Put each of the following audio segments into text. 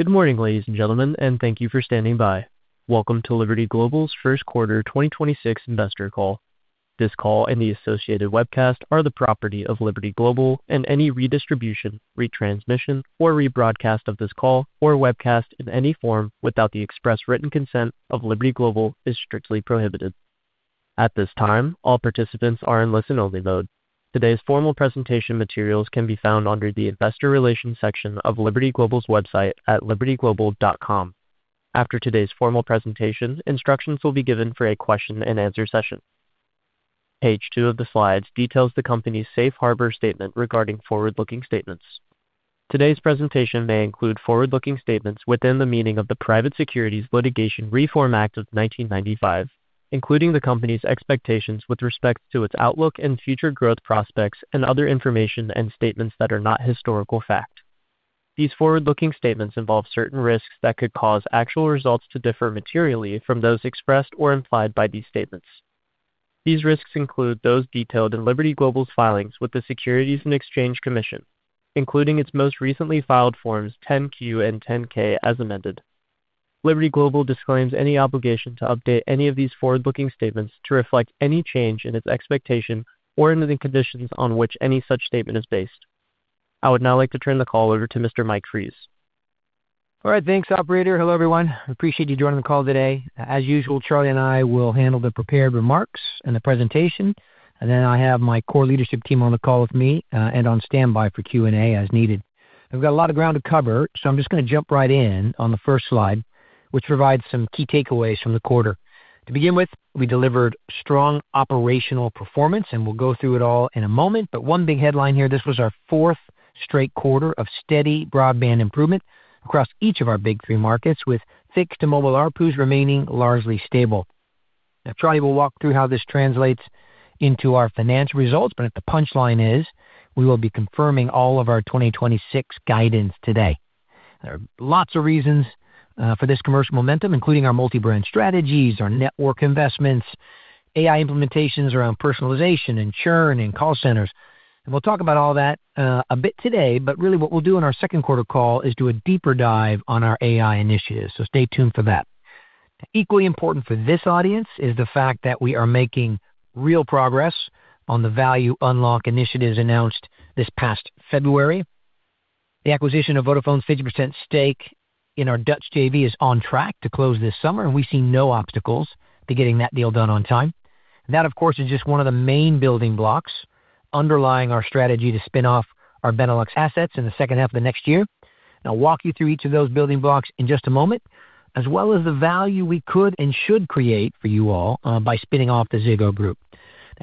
Good morning, ladies and gentlemen, and thank you for standing by. Welcome to Liberty Global's first quarter 2026 investor call. This call and the associated webcast are the property of Liberty Global, and any redistribution, retransmission, or rebroadcast of this call or webcast in any form without the express written consent of Liberty Global is strictly prohibited. At this time, all participants are in listen-only mode. Today's formal presentation materials can be found under the Investor Relations section of Liberty Global's website at libertyglobal.com. After today's formal presentation, instructions will be given for a question-and-answer session. Page 2 of the slides details the company's safe harbor statement regarding forward-looking statements. Today's presentation may include forward-looking statements within the meaning of the Private Securities Litigation Reform Act of 1995, including the company's expectations with respect to its outlook and future growth prospects and other information and statements that are not historical fact. These forward-looking statements involve certain risks that could cause actual results to differ materially from those expressed or implied by these statements. These risks include those detailed in Liberty Global's filings with the Securities and Exchange Commission, including its most recently filed Forms 10-Q and 10-K as amended. Liberty Global disclaims any obligation to update any of these forward-looking statements to reflect any change in its expectation or in the conditions on which any such statement is based. I would now like to turn the call over to Mr. Mike Fries. All right. Thanks, operator. Hello, everyone. Appreciate you joining the call today. As usual, Charlie and I will handle the prepared remarks and the presentation, and then I have my core leadership team on the call with me and on standby for Q&A as needed. We've got a lot of ground to cover, so I'm just gonna jump right in on the first slide, which provides some key takeaways from the quarter. To begin with, we delivered strong operational performance, and we'll go through it all in a moment. One big headline here, this was our fourth straight quarter of steady broadband improvement across each of our big three markets, with fixed to mobile ARPUs remaining largely stable. Charlie will walk through how this translates into our financial results, but the punchline is we will be confirming all of our 2026 guidance today. There are lots of reasons for this commercial momentum, including our multi-brand strategies, our network investments, AI implementations around personalization and churn in call centers. We'll talk about all that a bit today, but really what we'll do on our second quarter call is do a deeper dive on our AI initiatives, so stay tuned for that. Equally important for this audience is the fact that we are making real progress on the value unlock initiatives announced this past February. The acquisition of Vodafone's 50% stake in our Dutch JV is on track to close this summer, and we see no obstacles to getting that deal done on time. That, of course, is just one of the main building blocks underlying our strategy to spin off our Benelux assets in the second half of next year. I'll walk you through each of those building blocks in just a moment, as well as the value we could and should create for you all by spinning off the Ziggo Group.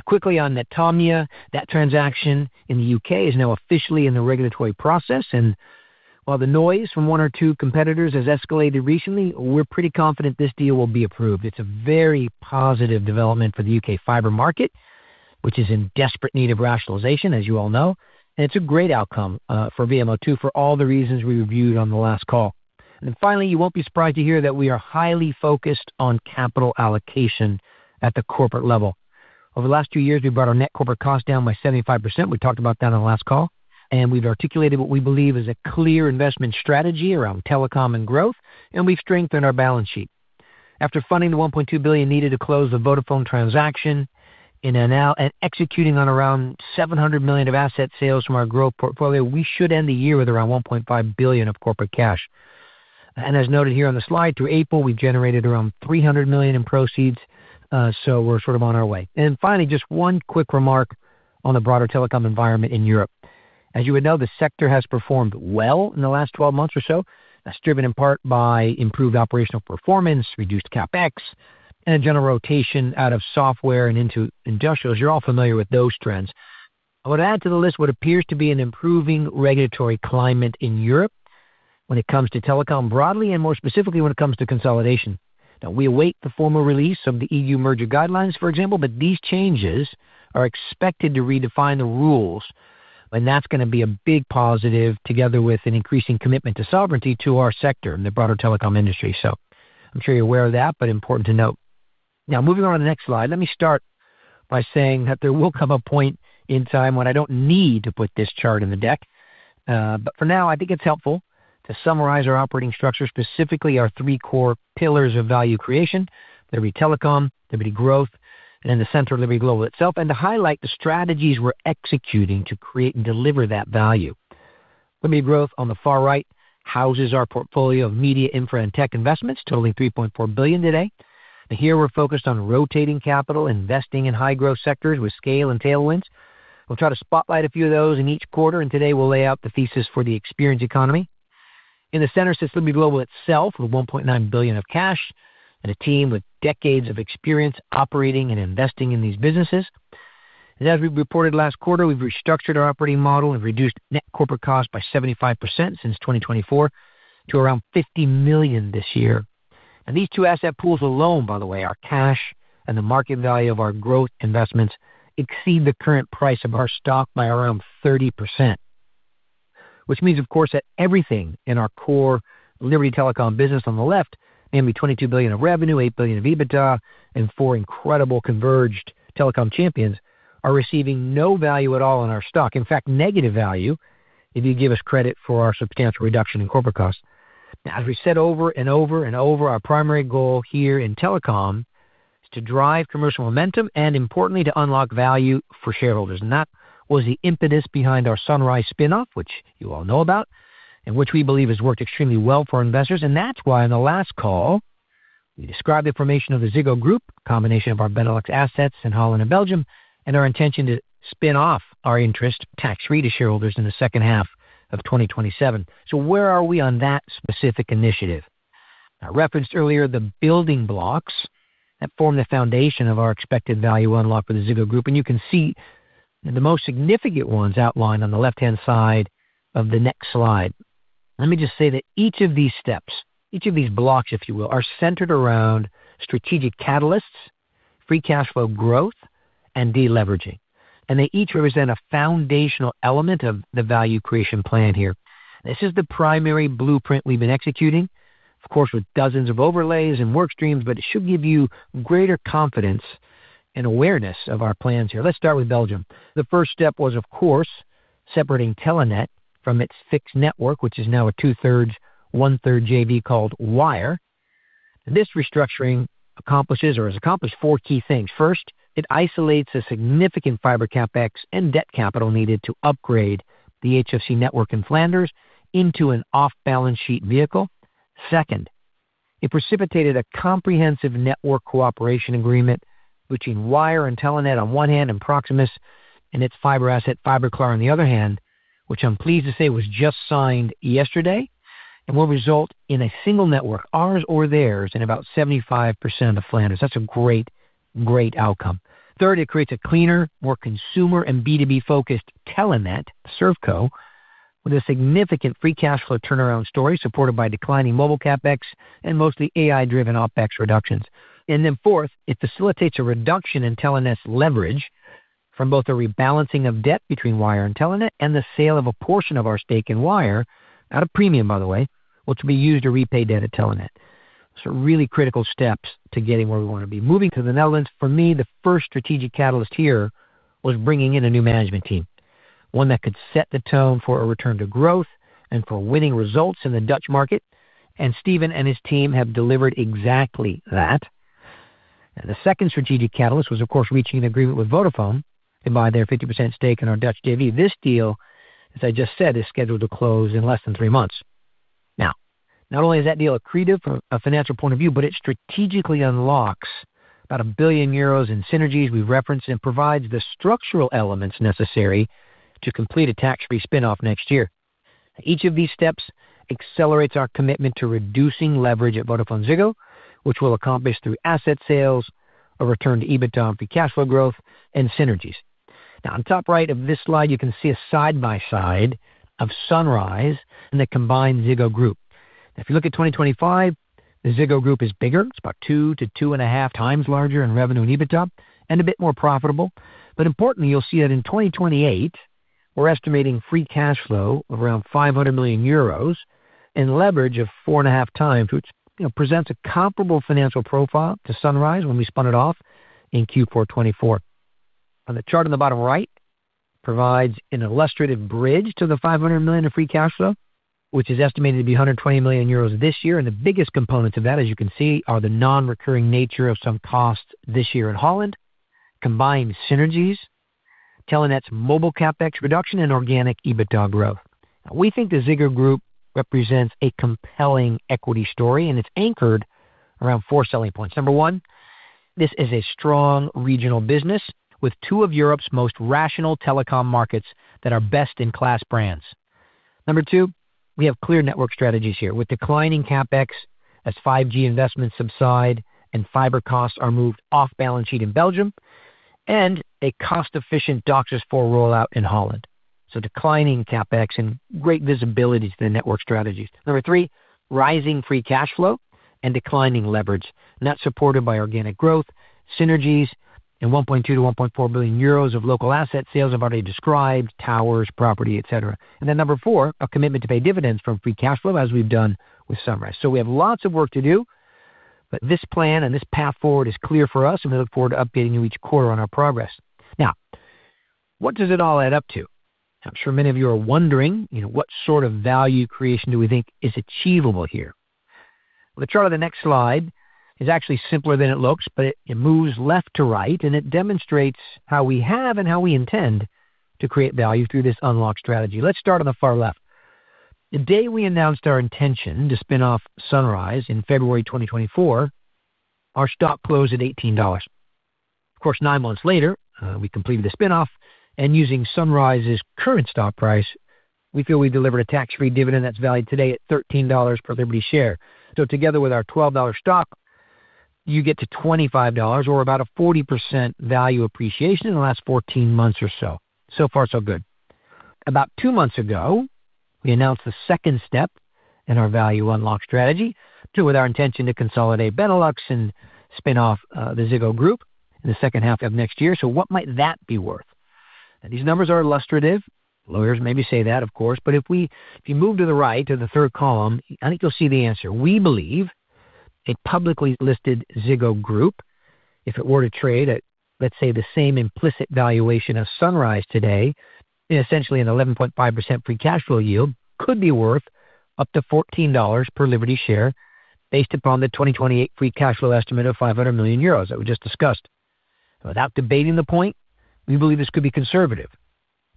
Quickly on Netomnia, that transaction in the U.K. is now officially in the regulatory process, and while the noise from one or 2 competitors has escalated recently, we're pretty confident this deal will be approved. It's a very positive development for the U.K. fiber market, which is in desperate need of rationalization, as you all know. It's a great outcome for VMO2, for all the reasons we reviewed on the last call. Finally, you won't be surprised to hear that we are highly focused on capital allocation at the corporate level. Over the last two years, we've brought our net corporate cost down by 75%. We talked about that on the last call. We've articulated what we believe is a clear investment strategy around telecom and growth, and we've strengthened our balance sheet. After funding the 1.2 billion needed to close the Vodafone transaction and executing on around 700 million of asset sales from our growth portfolio, we should end the year with around 1.5 billion of corporate cash. As noted here on the slide, through April, we generated around 300 million in proceeds, so we're sort of on our way. Finally, just one quick remark on the broader telecom environment in Europe. As you would know, the sector has performed well in the last 12 months or so. That's driven in part by improved operational performance, reduced CapEx, and a general rotation out of software and into industrials. You're all familiar with those trends. I would add to the list what appears to be an improving regulatory climate in Europe when it comes to telecom broadly and more specifically when it comes to consolidation. We await the formal release of the EU merger guidelines, for example, but these changes are expected to redefine the rules, and that's going to be a big positive together with an increasing commitment to sovereignty to our sector and the broader telecom industry. I am sure you're aware of that, but important to note. Moving on to the next slide. Let me start by saying that there will come a point in time when I don't need to put this chart in the deck. For now, I think it's helpful to summarize our operating structure, specifically our three core pillars of value creation, Liberty Telecom, Liberty Growth, in the center, Liberty Global itself, and to highlight the strategies we're executing to create and deliver that value. Liberty Growth on the far right houses our portfolio of media infra and tech investments totaling 3.4 billion today. Here we're focused on rotating capital, investing in high-growth sectors with scale and tailwinds. We'll try to spotlight a few of those in each quarter, today we'll lay out the thesis for the experience economy. In the center sits Liberty Global itself, with 1.9 billion of cash and a team with decades of experience operating and investing in these businesses. As we reported last quarter, we've restructured our operating model and reduced net corporate cost by 75% since 2024 to around 50 million this year. These two asset pools alone, by the way, our cash and the market value of our growth investments exceed the current price of our stock by around 30%, which means, of course, that everything in our core Liberty Telecom business on the left, namely 22 billion of revenue, 8 billion of EBITDA, and 4 incredible converged telecom champions, are receiving no value at all in our stock. In fact, negative value if you give us credit for our substantial reduction in corporate cost. As we said over and over and over, our primary goal here in telecom is to drive commercial momentum and importantly, to unlock value for shareholders. That was the impetus behind our Sunrise spin-off, which you all know about, and which we believe has worked extremely well for investors. That's why in the last call, we described the formation of the Ziggo Group, combination of our Benelux assets in Holland and Belgium, and our intention to spin off our interest tax-free to shareholders in the second half of 2027. Where are we on that specific initiative? I referenced earlier the building blocks that form the foundation of our expected value unlock with the Ziggo Group, and you can see the most significant ones outlined on the left-hand side of the next slide. Let me just say that each of these steps, each of these blocks if you will, are centered around strategic catalysts, free cash flow growth, and deleveraging. They each represent a foundational element of the value creation plan here. This is the primary blueprint we've been executing, of course, with dozens of overlays and work streams, but it should give you greater confidence and awareness of our plans here. Let's start with Belgium. The first step was, of course, separating Telenet from its fixed network, which is now a 2/3, 1/3 JV called Wyre. This restructuring accomplishes or has accomplished four key things. First, it isolates a significant fiber CapEx and debt capital needed to upgrade the HFC network in Flanders into an off-balance sheet vehicle. Second, it precipitated a comprehensive network cooperation agreement between Wyre and Telenet on one hand, and Proximus and its fiber asset, Fiberklaar, on the other hand, which I'm pleased to say was just signed yesterday and will result in a single network, ours or theirs, in about 75% of Flanders. That's a great outcome. It creates a cleaner, more consumer and B2B-focused Telenet ServCo with a significant free cash flow turnaround story supported by declining mobile CapEx and mostly AI-driven OpEx reductions. Fourth, it facilitates a reduction in Telenet's leverage from both the rebalancing of debt between Wyre and Telenet and the sale of a portion of our stake in Wyre at a premium, by the way, which will be used to repay debt at Telenet. Really critical steps to getting where we want to be. Moving to the Netherlands, for me, the first strategic catalyst here was bringing in a new management team, one that could set the tone for a return to growth and for winning results in the Dutch market. Steve and his team have delivered exactly that. The second strategic catalyst was, of course, reaching an agreement with Vodafone to buy their 50% stake in our Dutch JV. This deal, as I just said, is scheduled to close in less than three months. Not only is that deal accretive from a financial point of view, but it strategically unlocks about 1 billion euros in synergies we referenced and provides the structural elements necessary to complete a tax-free spin-off next year. Each of these steps accelerates our commitment to reducing leverage at VodafoneZiggo, which we'll accomplish through asset sales, a return to EBITDA free cash flow growth, and synergies. On the top right of this slide, you can see a side-by-side of Sunrise and the combined Ziggo Group. If you look at 2025, the Ziggo Group is bigger. It's about 2 to 2.5x larger in revenue and EBITDA and a bit more profitable. Importantly, you'll see that in 2028, we're estimating free cash flow of around 500 million euros and leverage of 4.5x, which, you know, presents a comparable financial profile to Sunrise when we spun it off in Q4 2024. On the chart on the bottom right provides an illustrative bridge to the 500 million of free cash flow, which is estimated to be 120 million euros this year. The biggest components of that, as you can see, are the non-recurring nature of some costs this year in Holland, combined synergies, Telenet's mobile CapEx reduction, and organic EBITDA growth. We think the Ziggo Group represents a compelling equity story, and it's anchored around four selling points. Number 1, this is a strong regional business with two of Europe's most rational telecom markets that are best-in-class brands. Number two, we have clear network strategies here with declining CapEx as 5G investments subside and fiber costs are moved off balance sheet in Belgium and a cost-efficient DOCSIS 4 rollout in Holland. Declining CapEx and great visibility to the network strategies. Number three, rising free cash flow and declining leverage. That's supported by organic growth, synergies, and 1.2 billion-1.4 billion euros of local asset sales I've already described, towers, property, et cetera. Number 4, a commitment to pay dividends from free cash flow as we've done with Sunrise. We have lots of work to do, but this plan and this path forward is clear for us, and we look forward to updating you each quarter on our progress. What does it all add up to? I'm sure many of you are wondering, you know, what sort of value creation do we think is achievable here? The chart on the next slide is actually simpler than it looks, it moves left to right, it demonstrates how we have and how we intend to create value through this unlock strategy. Let's start on the far left. The day we announced our intention to spin off Sunrise in February 2024, our stock closed at $18. Of course, nine months later, we completed the spin-off and using Sunrise's current stock price, we feel we delivered a tax-free dividend that's valued today at $13 per Liberty share. Together with our $12 stock, you get to $25 or about a 40% value appreciation in the last 14 months or so. Far so good. About two months ago, we announced the second step in our value unlock strategy with our intention to consolidate Benelux and spin off the Ziggo Group in the second half of next year. What might that be worth? These numbers are illustrative. Lawyers maybe say that, of course. If you move to the right to the third column, I think you'll see the answer. We believe a publicly listed Ziggo Group, if it were to trade at, let's say, the same implicit valuation of Sunrise today in essentially an 11.5% free cash flow yield, could be worth up to $14 per Liberty share based upon the 2028 free cash flow estimate of 500 million euros that we just discussed. Without debating the point, we believe this could be conservative.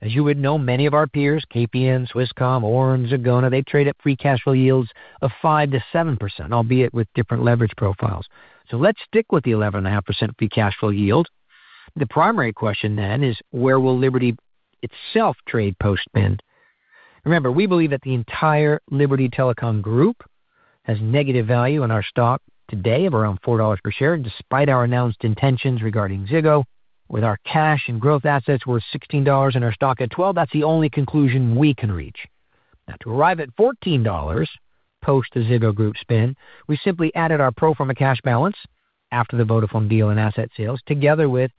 As you would know, many of our peers, KPN, Swisscom, Orange, Zegona, they trade at free cash flow yields of 5%-7%, albeit with different leverage profiles. Let's stick with the 11.5% free cash flow yield. The primary question is where will Liberty itself trade post-spin? Remember, we believe that the entire Liberty Telecom group has negative value in our stock today of around $4 per share, despite our announced intentions regarding Ziggo. With our cash and growth assets worth $16 and our stock at $12, that's the only conclusion we can reach. To arrive at $14 post the Ziggo Group spin, we simply added our pro forma cash balance after the Vodafone deal and asset sales together with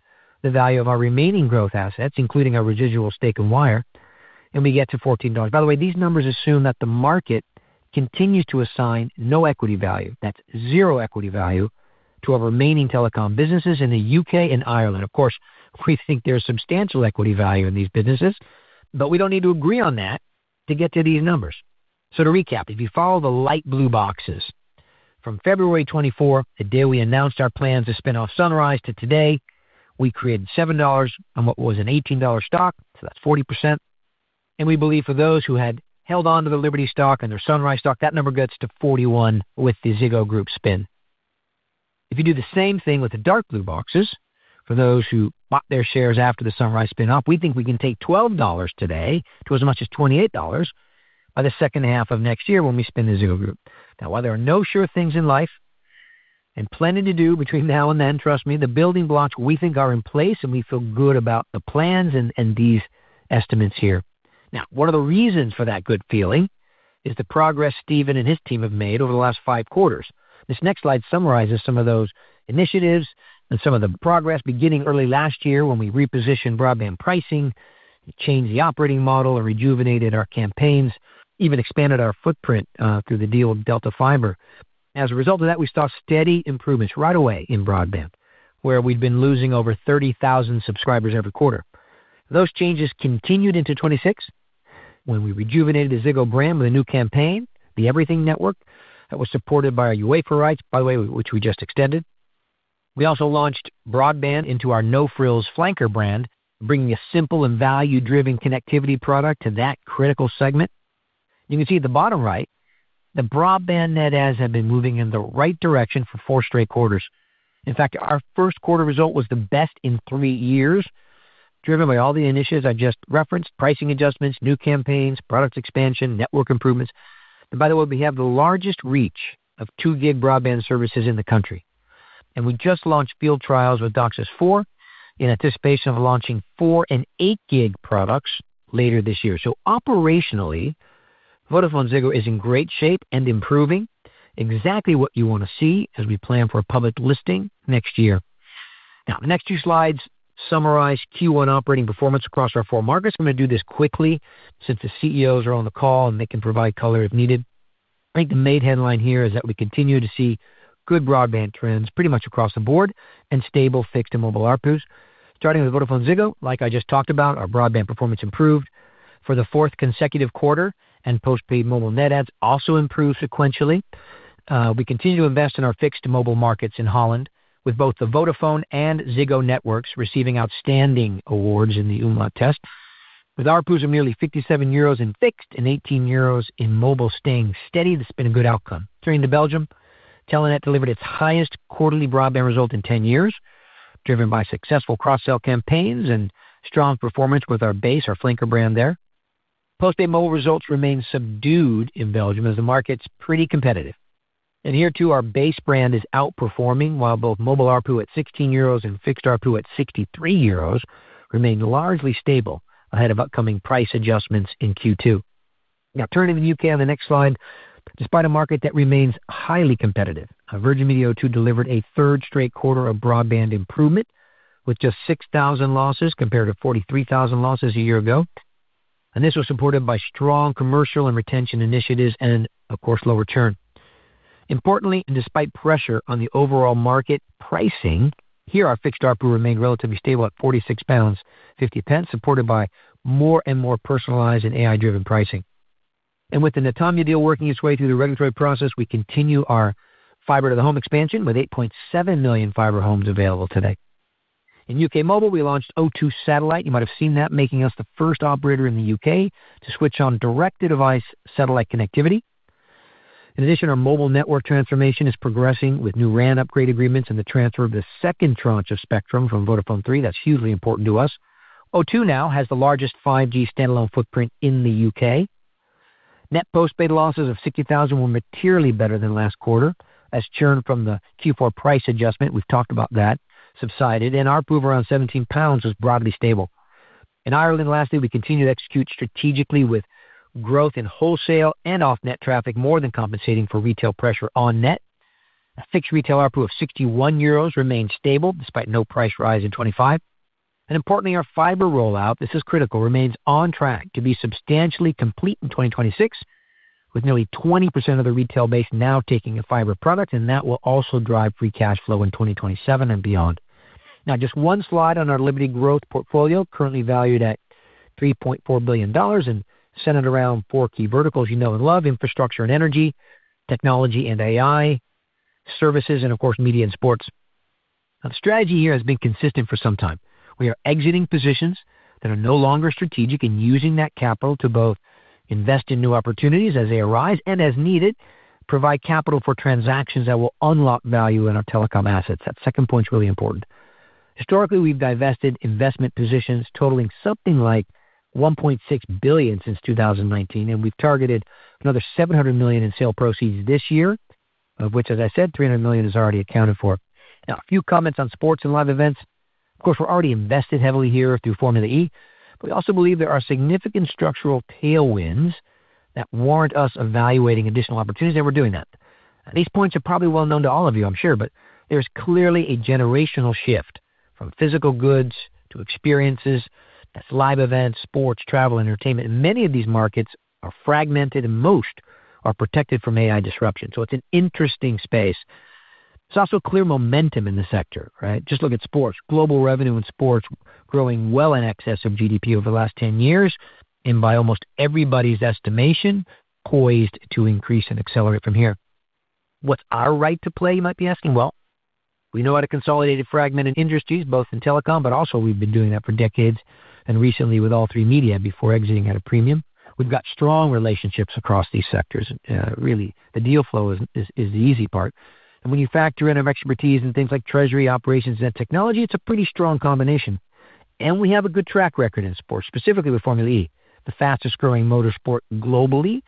the value of our remaining growth assets, including our residual stake in Wyre, and we get to $14. By the way, these numbers assume that the market continues to assign no equity value. That's 0 equity value to our remaining telecom businesses in the U.K. and Ireland. Of course, we think there's substantial equity value in these businesses, but we don't need to agree on that to get to these numbers. To recap, if you follow the light blue boxes from February 24, the day we announced our plans to spin off Sunrise to today, we created $7 on what was an $18 stock. That's 40%. We believe for those who had held on to the Liberty stock and their Sunrise stock, that number gets to 41 with the Ziggo Group spin. If you do the same thing with the dark blue boxes for those who bought their shares after the Sunrise spin-off, we think we can take $12 today to as much as $28 by the second half of next year when we spin the Ziggo Group. Now, while there are no sure things in life and plenty to do between now and then, trust me, the building blocks we think are in place and we feel good about the plans and these estimates here. Now, one of the reasons for that good feeling is the progress Stephen and his team have made over the last five quarters. This next slide summarizes some of those initiatives and some of the progress beginning early last year when we repositioned broadband pricing, changed the operating model and rejuvenated our campaigns, even expanded our footprint through the deal with DELTA Fiber. As a result of that, we saw steady improvements right away in broadband, where we'd been losing over 30,000 subscribers every quarter. Those changes continued into 2026 when we rejuvenated the Ziggo brand with a new campaign, the Everything Network, that was supported by our UEFA rights, by the way, which we just extended. We also launched broadband into our no-frills flanker brand, bringing a simple and value-driven connectivity product to that critical segment. You can see at the bottom right, the broadband net adds have been moving in the right direction for 4 straight quarters. In fact, our Q1 result was the best in three years, driven by all the initiatives I just referenced, pricing adjustments, new campaigns, product expansion, network improvements. By the way, we have the largest reach of 2 gig broadband services in the country. We just launched field trials with DOCSIS 4 in anticipation of launching 4 and 8 gig products later this year. Operationally, VodafoneZiggo is in great shape and improving exactly what you want to see as we plan for a public listing next year. The next 2 slides summarize Q1 operating performance across our four markets. I'm going to do this quickly since the CEOs are on the call and they can provide color if needed. I think the main headline here is that we continue to see good broadband trends pretty much across the board and stable fixed and mobile ARPUs. Starting with VodafoneZiggo, like I just talked about, our broadband performance improved for the fourth consecutive quarter and postpaid mobile net adds also improved sequentially. We continue to invest in our fixed mobile markets in Holland with both the Vodafone and Ziggo networks receiving outstanding awards in the Umlaut test. With ARPUs of nearly 57 euros in fixed and 18 euros in mobile staying steady, it's been a good outcome. Turning to Belgium, Telenet delivered its highest quarterly broadband result in 10 years, driven by successful cross-sell campaigns and strong performance with our BASE, our flanker brand there. Postpaid mobile results remain subdued in Belgium as the market's pretty competitive. Here too, our BASE brand is outperforming, while both mobile ARPU at 16 euros and fixed ARPU at 63 euros remain largely stable ahead of upcoming price adjustments in Q2. Now turning to the U.K. on the next slide, despite a market that remains highly competitive, Virgin Media O2 delivered a third straight quarter of broadband improvement with just 6,000 losses compared to 43,000 losses a year ago. This was supported by strong commercial and retention initiatives and of course, lower churn. Importantly, and despite pressure on the overall market pricing, here our fixed ARPU remained relatively stable at 46.50 pounds, supported by more and more personalized and AI-driven pricing. With the Netomnia deal working its way through the regulatory process, we continue our fiber to the home expansion with 8.7 million fiber homes available today. In U.K. Mobile, we launched O2 Satellite. You might have seen that making us the first operator in the U.K. to switch on direct-to-device satellite connectivity. In addition, our mobile network transformation is progressing with new RAN upgrade agreements and the transfer of the second tranche of spectrum from Vodafone Three. That's hugely important to us. O2 now has the largest 5G standalone footprint in the U.K. Net postpaid losses of 60,000 were materially better than last quarter as churn from the Q4 price adjustment, we've talked about that, subsided and ARPU of around 17 pounds was broadly stable. In Ireland, lastly, we continue to execute strategically with growth in wholesale and off-net traffic more than compensating for retail pressure on net. A fixed retail ARPU of 61 euros remained stable despite no price rise in 2025. Importantly, our fiber rollout, this is critical, remains on track to be substantially complete in 2026, with nearly 20% of the retail base now taking a fiber product, and that will also drive free cash flow in 2027 and beyond. Just one slide on our Liberty Growth portfolio, currently valued at $3.4 billion and centered around four key verticals you know and love, infrastructure and energy, technology and AI, services, and of course, media and sports. The strategy here has been consistent for some time. We are exiting positions that are no longer strategic and using that capital to both invest in new opportunities as they arise and as needed, provide capital for transactions that will unlock value in our telecom assets. That second point is really important. Historically, we've divested investment positions totaling something like 1.6 billion since 2019, and we've targeted another 700 million in sale proceeds this year, of which, as I said, 300 million is already accounted for. A few comments on sports and live events. We're already invested heavily here through Formula E, but we also believe there are significant structural tailwinds that warrant us evaluating additional opportunities, and we're doing that. These points are probably well known to all of you, I'm sure, but there's clearly a generational shift from physical goods to experiences. That's live events, sports, travel, entertainment, and many of these markets are fragmented and most are protected from AI disruption. It's an interesting space. It's also clear momentum in the sector, right? Just look at sports. Global revenue in sports growing well in excess of GDP over the last 10 years, and by almost everybody's estimation, poised to increase and accelerate from here. What's our right to play, you might be asking? Well, we know how to consolidate a fragmented industry, both in telecom, but also we've been doing that for decades, and recently with All3Media before exiting at a premium. We've got strong relationships across these sectors. Really, the deal flow is the easy part. When you factor in our expertise in things like treasury operations and technology, it's a pretty strong combination. We have a good track record in sports, specifically with Formula E, the fastest growing motorsport globally,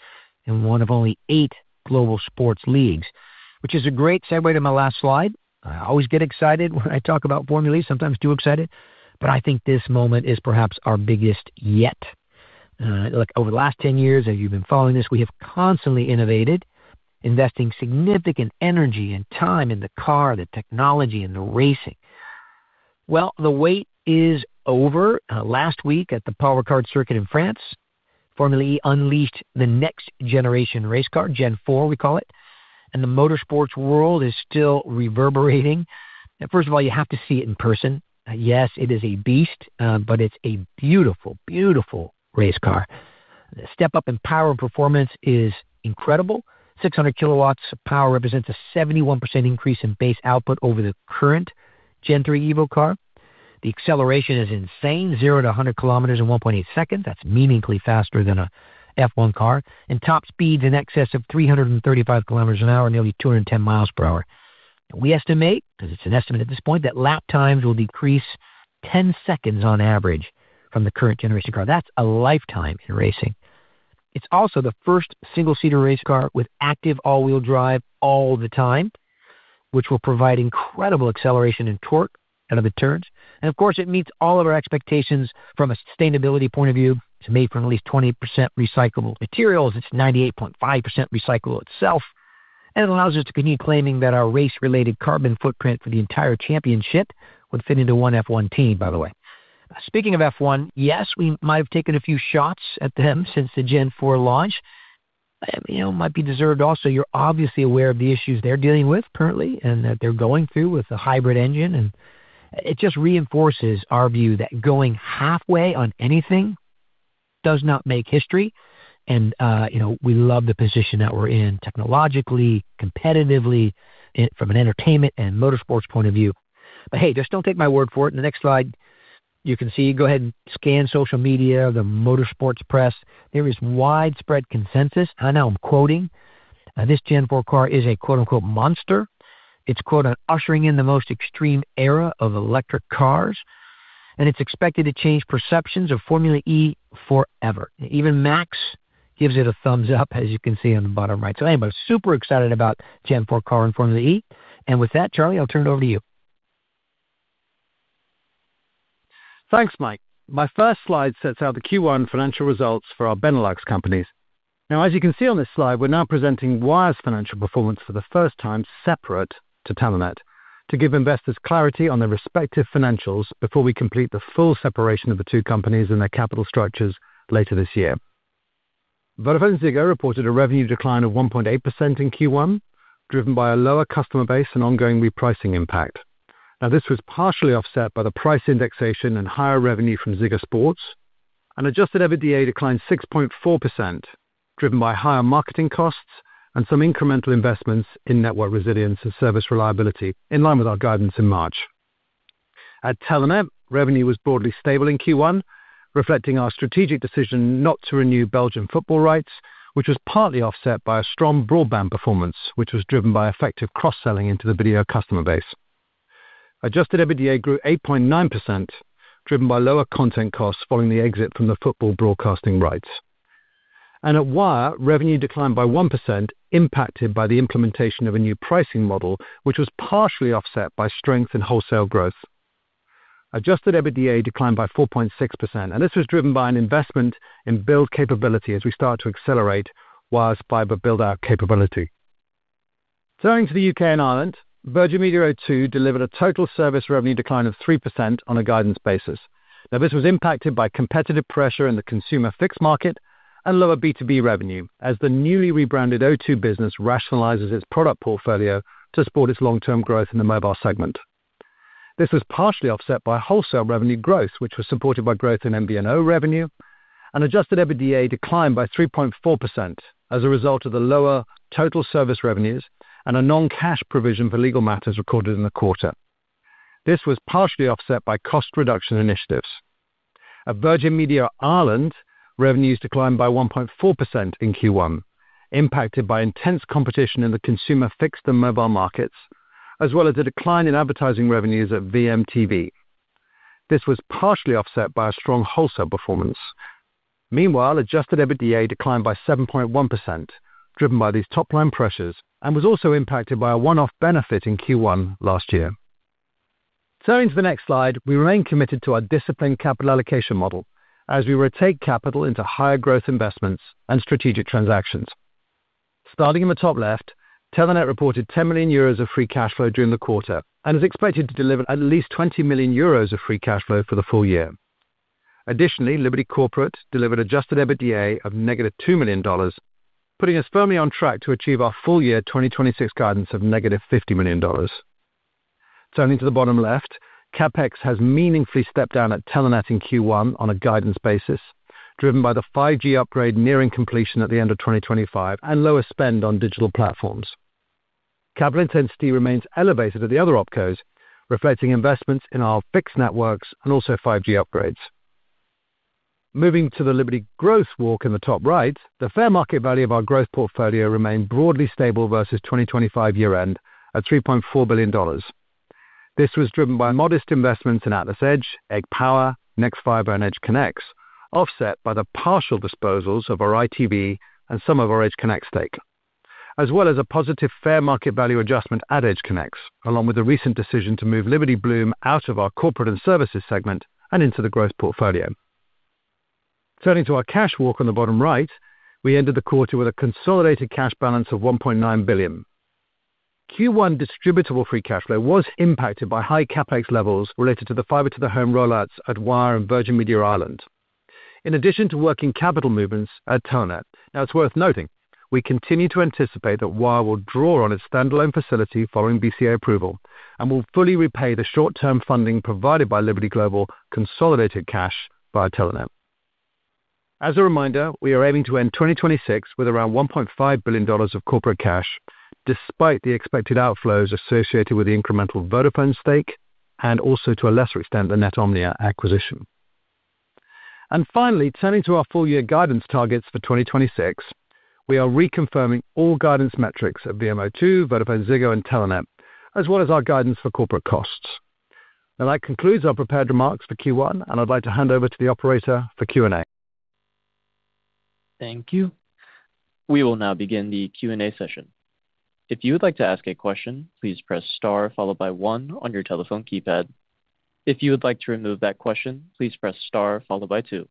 and one of only eight global sports leagues, which is a great segue to my last slide. I always get excited when I talk about Formula E, sometimes too excited, but I think this moment is perhaps our biggest yet. Look, over the last 10 years, as you've been following this, we have constantly innovated, investing significant energy and time in the car, the technology, and the racing. Well, the wait is over. Last week at the Paul Ricard Circuit in France, Formula E unleashed the next generation race car, Gen4, we call it, and the motorsports world is still reverberating. First of all, you have to see it in person. Yes, it is a beast, but it's a beautiful race car. The step up in power and performance is incredible. 600 KW of power represents a 71% increase in base output over the current Gen3 Evo car. The acceleration is insane, 0 to 100 km in 1.8 seconds. That's meaningfully faster than a F1 car. Top speeds in excess of 335 km an hour, nearly 210 mi per hour. We estimate, because it's an estimate at this point, that lap times will decrease 10 seconds on average from the current generation car. That's a lifetime in racing. It's also the first single-seater race car with active all-wheel drive all the time, which will provide incredible acceleration and torque out of the turns. Of course, it meets all of our expectations from a sustainability point of view. It's made from at least 20% recyclable materials. It's 98.5% recyclable itself. It allows us to continue claiming that our race-related carbon footprint for the entire championship would fit into one F1 team, by the way. Speaking of F1, yes, we might have taken a few shots at them since the Gen4 launch. You know, it might be deserved also. You're obviously aware of the issues they're dealing with currently and that they're going through with the hybrid engine. It just reinforces our view that going halfway on anything does not make history. You know, we love the position that we're in technologically, competitively, from an entertainment and motorsports point of view. Hey, just don't take my word for it. In the next slide, you can see, go ahead and scan social media, the motorsports press. There is widespread consensus. I know I'm quoting. This Gen4 car is a quote-unquote monster. It's quote an ushering in the most extreme era of electric cars. It's expected to change perceptions of Formula E forever. Even Max gives it a thumbs up, as you can see on the bottom right. Anyway, I'm super excited about Gen4 car and Formula E. With that, Charlie, I'll turn it over to you. Thanks, Mike. My first slide sets out the Q1 financial results for our Benelux companies. As you can see on this slide, we are now presenting Wyre's financial performance for the first time separate to Telenet to give investors clarity on their respective financials before we complete the full separation of the two companies and their capital structures later this year. VodafoneZiggo reported a revenue decline of 1.8% in Q1, driven by a lower customer base and ongoing repricing impact. This was partially offset by the price indexation and higher revenue from Ziggo Sport. Adjusted EBITDA declined 6.4%, driven by higher marketing costs and some incremental investments in network resilience and service reliability, in line with our guidance in March. At Telenet, revenue was broadly stable in Q1, reflecting our strategic decision not to renew Belgian football rights, which was partly offset by a strong broadband performance, which was driven by effective cross-selling into the video customer base. Adjusted EBITDA grew 8.9%, driven by lower content costs following the exit from the football broadcasting rights. At Wyre, revenue declined by 1%, impacted by the implementation of a new pricing model, which was partially offset by strength in wholesale growth. Adjusted EBITDA declined by 4.6%, and this was driven by an investment in build capability as we start to accelerate Wyre's fiber build-out capability. Turning to the U.K. and Ireland, Virgin Media O2 delivered a total service revenue decline of 3% on a guidance basis. This was impacted by competitive pressure in the consumer fixed market and lower B2B revenue as the newly rebranded O2 business rationalizes its product portfolio to support its long-term growth in the mobile segment. This was partially offset by wholesale revenue growth, which was supported by growth in MVNO revenue and adjusted EBITDA declined by 3.4% as a result of the lower total service revenues and a non-cash provision for legal matters recorded in the quarter. This was partially offset by cost reduction initiatives. At Virgin Media Ireland, revenues declined by 1.4% in Q1, impacted by intense competition in the consumer fixed and mobile markets, as well as a decline in advertising revenues at VMTV. This was partially offset by a strong wholesale performance. Meanwhile, adjusted EBITDA declined by 7.1%, driven by these top-line pressures, and was also impacted by a one-off benefit in Q1 last year. Turning to the next slide, we remain committed to our disciplined capital allocation model as we rotate capital into higher growth investments and strategic transactions. Starting in the top left, Telenet reported 10 million euros of free cash flow during the quarter and is expected to deliver at least 20 million euros of free cash flow for the full year. Additionally, Liberty Corporate delivered adjusted EBITDA of negative $2 million, putting us firmly on track to achieve our full-year 2026 guidance of negative $50 million. Turning to the bottom left, CapEx has meaningfully stepped down at Telenet in Q1 on a guidance basis, driven by the 5G upgrade nearing completion at the end of 2025 and lower spend on digital platforms. Capital intensity remains elevated at the other opcos, reflecting investments in our fixed networks and also 5G upgrades. Moving to the Liberty Growth walk in the top right, the fair market value of our growth portfolio remained broadly stable versus 2025 year end at $3.4 billion. This was driven by modest investments in AtlasEdge, egg Power, nexfibre, and EdgeConneX, offset by the partial disposals of our ITV and some of our EdgeConneX stake, as well as a positive fair market value adjustment at EdgeConneX, along with the recent decision to move Liberty Blume out of our Corporate and Services segment and into the growth portfolio. Turning to our cash walk on the bottom right, we ended the quarter with a consolidated cash balance of 1.9 billion. Q1 distributable free cash flow was impacted by high CapEx levels related to the fiber to the home rollouts at Wyre and Virgin Media Ireland, in addition to working capital movements at Telenet. It's worth noting, we continue to anticipate that Wyre will draw on its standalone facility following BCA approval and will fully repay the short-term funding provided by Liberty Global consolidated cash via Telenet. As a reminder, we are aiming to end 2026 with around $1.5 billion of corporate cash, despite the expected outflows associated with the incremental Vodafone stake and also, to a lesser extent, the Netomnia acquisition. Finally, turning to our full-year guidance targets for 2026, we are reconfirming all guidance metrics of VMO2, VodafoneZiggo, and Telenet, as well as our guidance for corporate costs. That concludes our prepared remarks for Q1, and I'd like to hand over to the operator for Q&A. Thank you. We will now begin the Q&A session. If you would like to ask a question, please press star followed by one on your telephone keypad. If you would like to remove that question, please press star followed by two.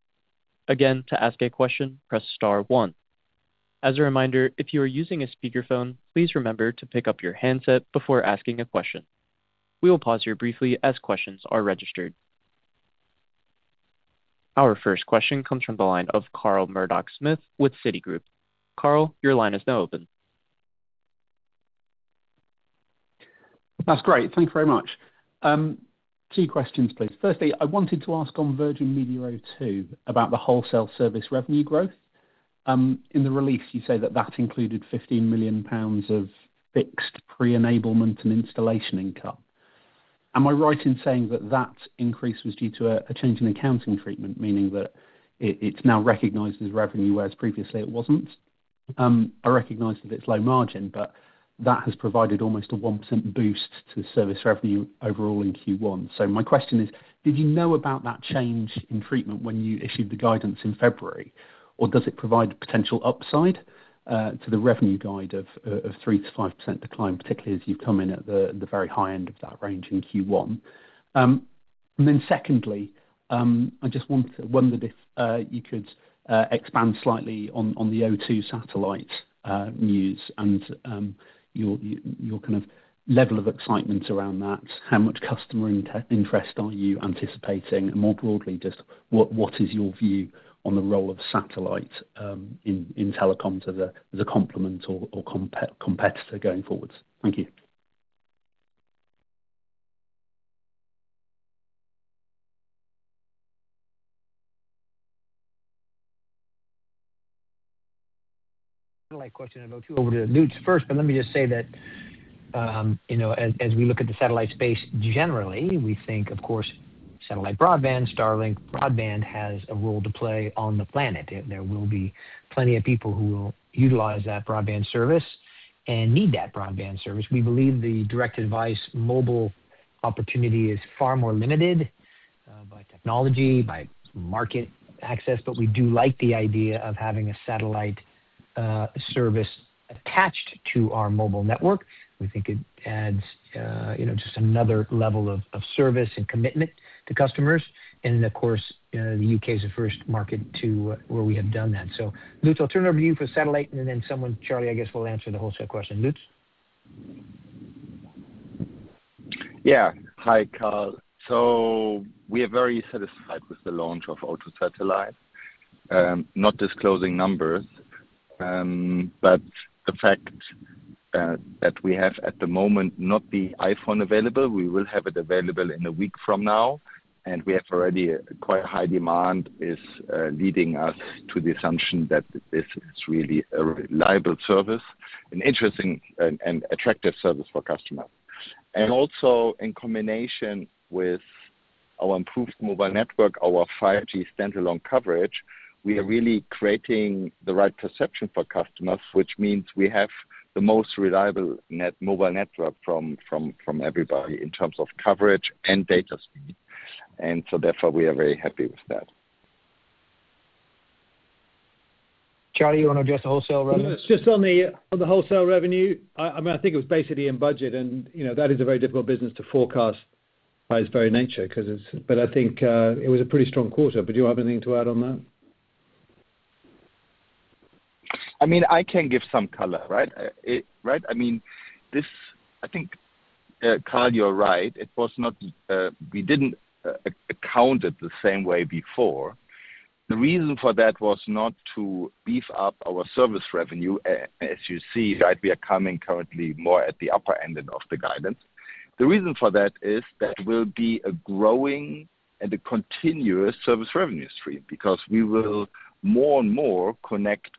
Again, to ask a question, press star one. As a reminder, if you are using a speakerphone, please remember to pick up your handset before asking a question. We will pause here briefly as questions are registered. Our first question comes from the line of Carl Murdock-Smith with Citigroup. Carl, your line is now open. That's great. Thank you very much. Two questions, please. Firstly, I wanted to ask on Virgin Media O2 about the wholesale service revenue growth. In the release, you say that that included 15 million pounds of fixed pre-enablement and installation income. Am I right in saying that that increase was due to a change in accounting treatment, meaning that it's now recognized as revenue, whereas previously it wasn't? I recognize that it's low margin, but that has provided almost a 1% boost to service revenue overall in Q1. My question is, did you know about that change in treatment when you issued the guidance in February? Does it provide potential upside to the revenue guide of 3%-5% decline, particularly as you've come in at the very high end of that range in Q1? Then secondly, I just wondered if you could expand slightly on the O2 Satellite news and your kind of level of excitement around that. How much customer interest are you anticipating? More broadly, just what is your view on the role of satellite in telecoms as a complement or competitor going forwards? Thank you. Satellite question about you. Over to Lutz first. Let me just say that, you know, as we look at the satellite space, generally, we think, of course, satellite broadband, Starlink broadband has a role to play on the planet. There will be plenty of people who will utilize that broadband service and need that broadband service. We believe the direct-to-device mobile opportunity is far more limited by technology, by market access. We do like the idea of having a satellite service attached to our mobile network. We think it adds, you know, just another level of service and commitment to customers. Of course, the U.K. is the first market where we have done that. Lutz, I'll turn it over to you for satellite. Someone, Charlie, I guess, will answer the wholesale question. Lutz? Hi, Carl. We are very satisfied with the launch of O2 Satellite. Not disclosing numbers, but the fact that we have at the moment not the iPhone available, we will have it available in a week from now, and we have already quite a high demand, is leading us to the assumption that this is really a reliable service, an interesting and attractive service for customers. Also in combination with our improved mobile network, our 5G standalone coverage, we are really creating the right perception for customers, which means we have the most reliable mobile network from everybody in terms of coverage and data speed. Therefore we are very happy with that. Charlie, you wanna address the wholesale revenue? Just on the wholesale revenue, I mean, I think it was basically in budget and, you know, that is a very difficult business to forecast by its very nature 'cause it's. I think it was a pretty strong quarter. Do you have anything to add on that? I mean, I can give some color, right? I mean, I think Carl, you're right. It was not, we didn't account it the same way before. The reason for that was not to beef up our service revenue. As you see, right, we are coming currently more at the upper end than of the guidance. The reason for that is that will be a growing and a continuous service revenue stream. We will more and more connect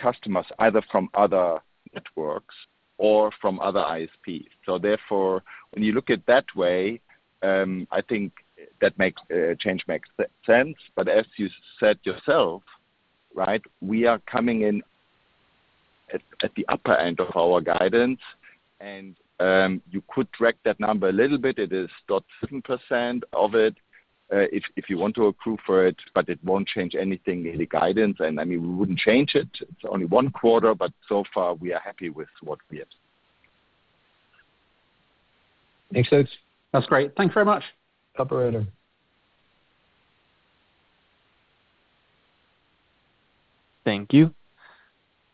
customers either from other networks or from other ISPs. Therefore, when you look at that way, I think that makes change makes sense. As you said yourself, right, we are coming in at the upper end of our guidance. You could track that number a little bit. It is 0.7% of it, if you want to accrue for it, but it won't change anything in the guidance. I mean, we wouldn't change it. It's only 1 quarter. So far we are happy with what we have. Makes sense. That's great. Thanks very much. Operator. Thank you.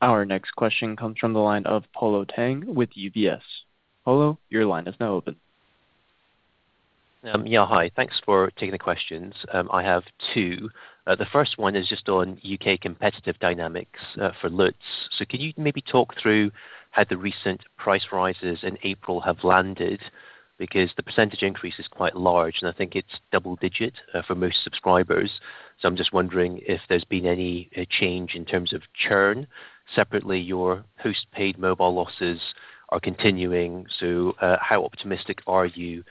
Our next question comes from the line of Polo Tang with UBS. Polo, your line is now open. Yeah. Hi. Thanks for taking the questions. I have 2. The first one is just on U.K. competitive dynamics for Lutz. Can you maybe talk through how the recent price rises in April have landed? Because the percentage increase is quite large, and I think it's double-digit for most subscribers. I'm just wondering if there's been any change in terms of churn. Separately, your postpaid mobile losses are continuing, how optimistic are you that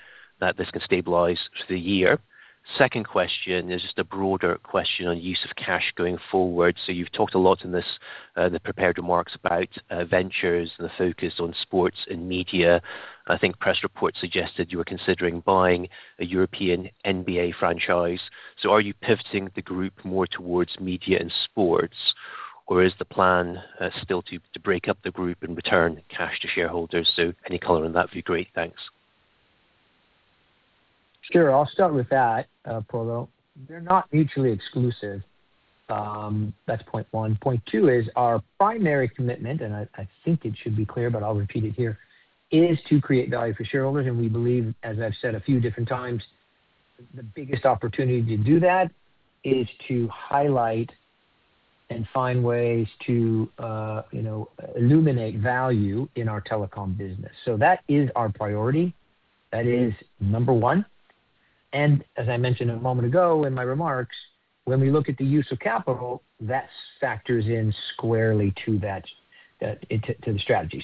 this can stabilize through the year? Second question is just a broader question on use of cash going forward. You've talked a lot in this, the prepared remarks about ventures and the focus on sports and media. I think press reports suggested you were considering buying a European NBA franchise. Are you pivoting the group more towards media and sports, or is the plan still to break up the group and return cash to shareholders? Any color on that would be great. Thanks. Sure. I'll start with that, Polo. They're not mutually exclusive. That's point 1. Point 2 is our primary commitment, and I think it should be clear, but I'll repeat it here, is to create value for shareholders. We believe, as I've said a few different times, the biggest opportunity to do that is to highlight and find ways to, you know, illuminate value in our telecom business. That is our priority. That is number 1. As I mentioned a moment ago in my remarks, when we look at the use of capital, that factors in squarely to that to the strategy.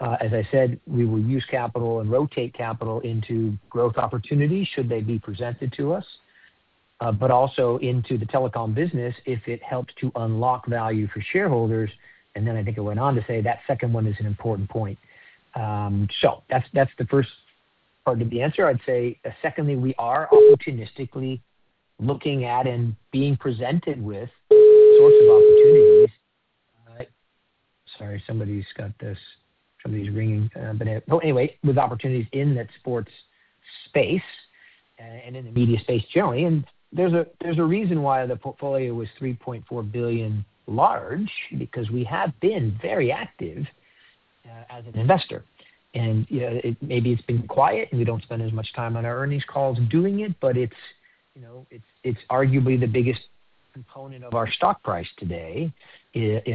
As I said, we will use capital and rotate capital into growth opportunities should they be presented to us, but also into the telecom business if it helps to unlock value for shareholders. I think I went on to say that second one is an important point. That's the first part of the answer. I'd say secondly, we are opportunistically looking at and being presented with sorts of opportunities. Sorry, somebody's ringing. With opportunities in that sports space and in the media space generally. There's a reason why the portfolio was 3.4 billion large, because we have been very active as an investor. You know, maybe it's been quiet and we don't spend as much time on our earnings calls doing it, but it's, you know, it's arguably the biggest component of our stock price today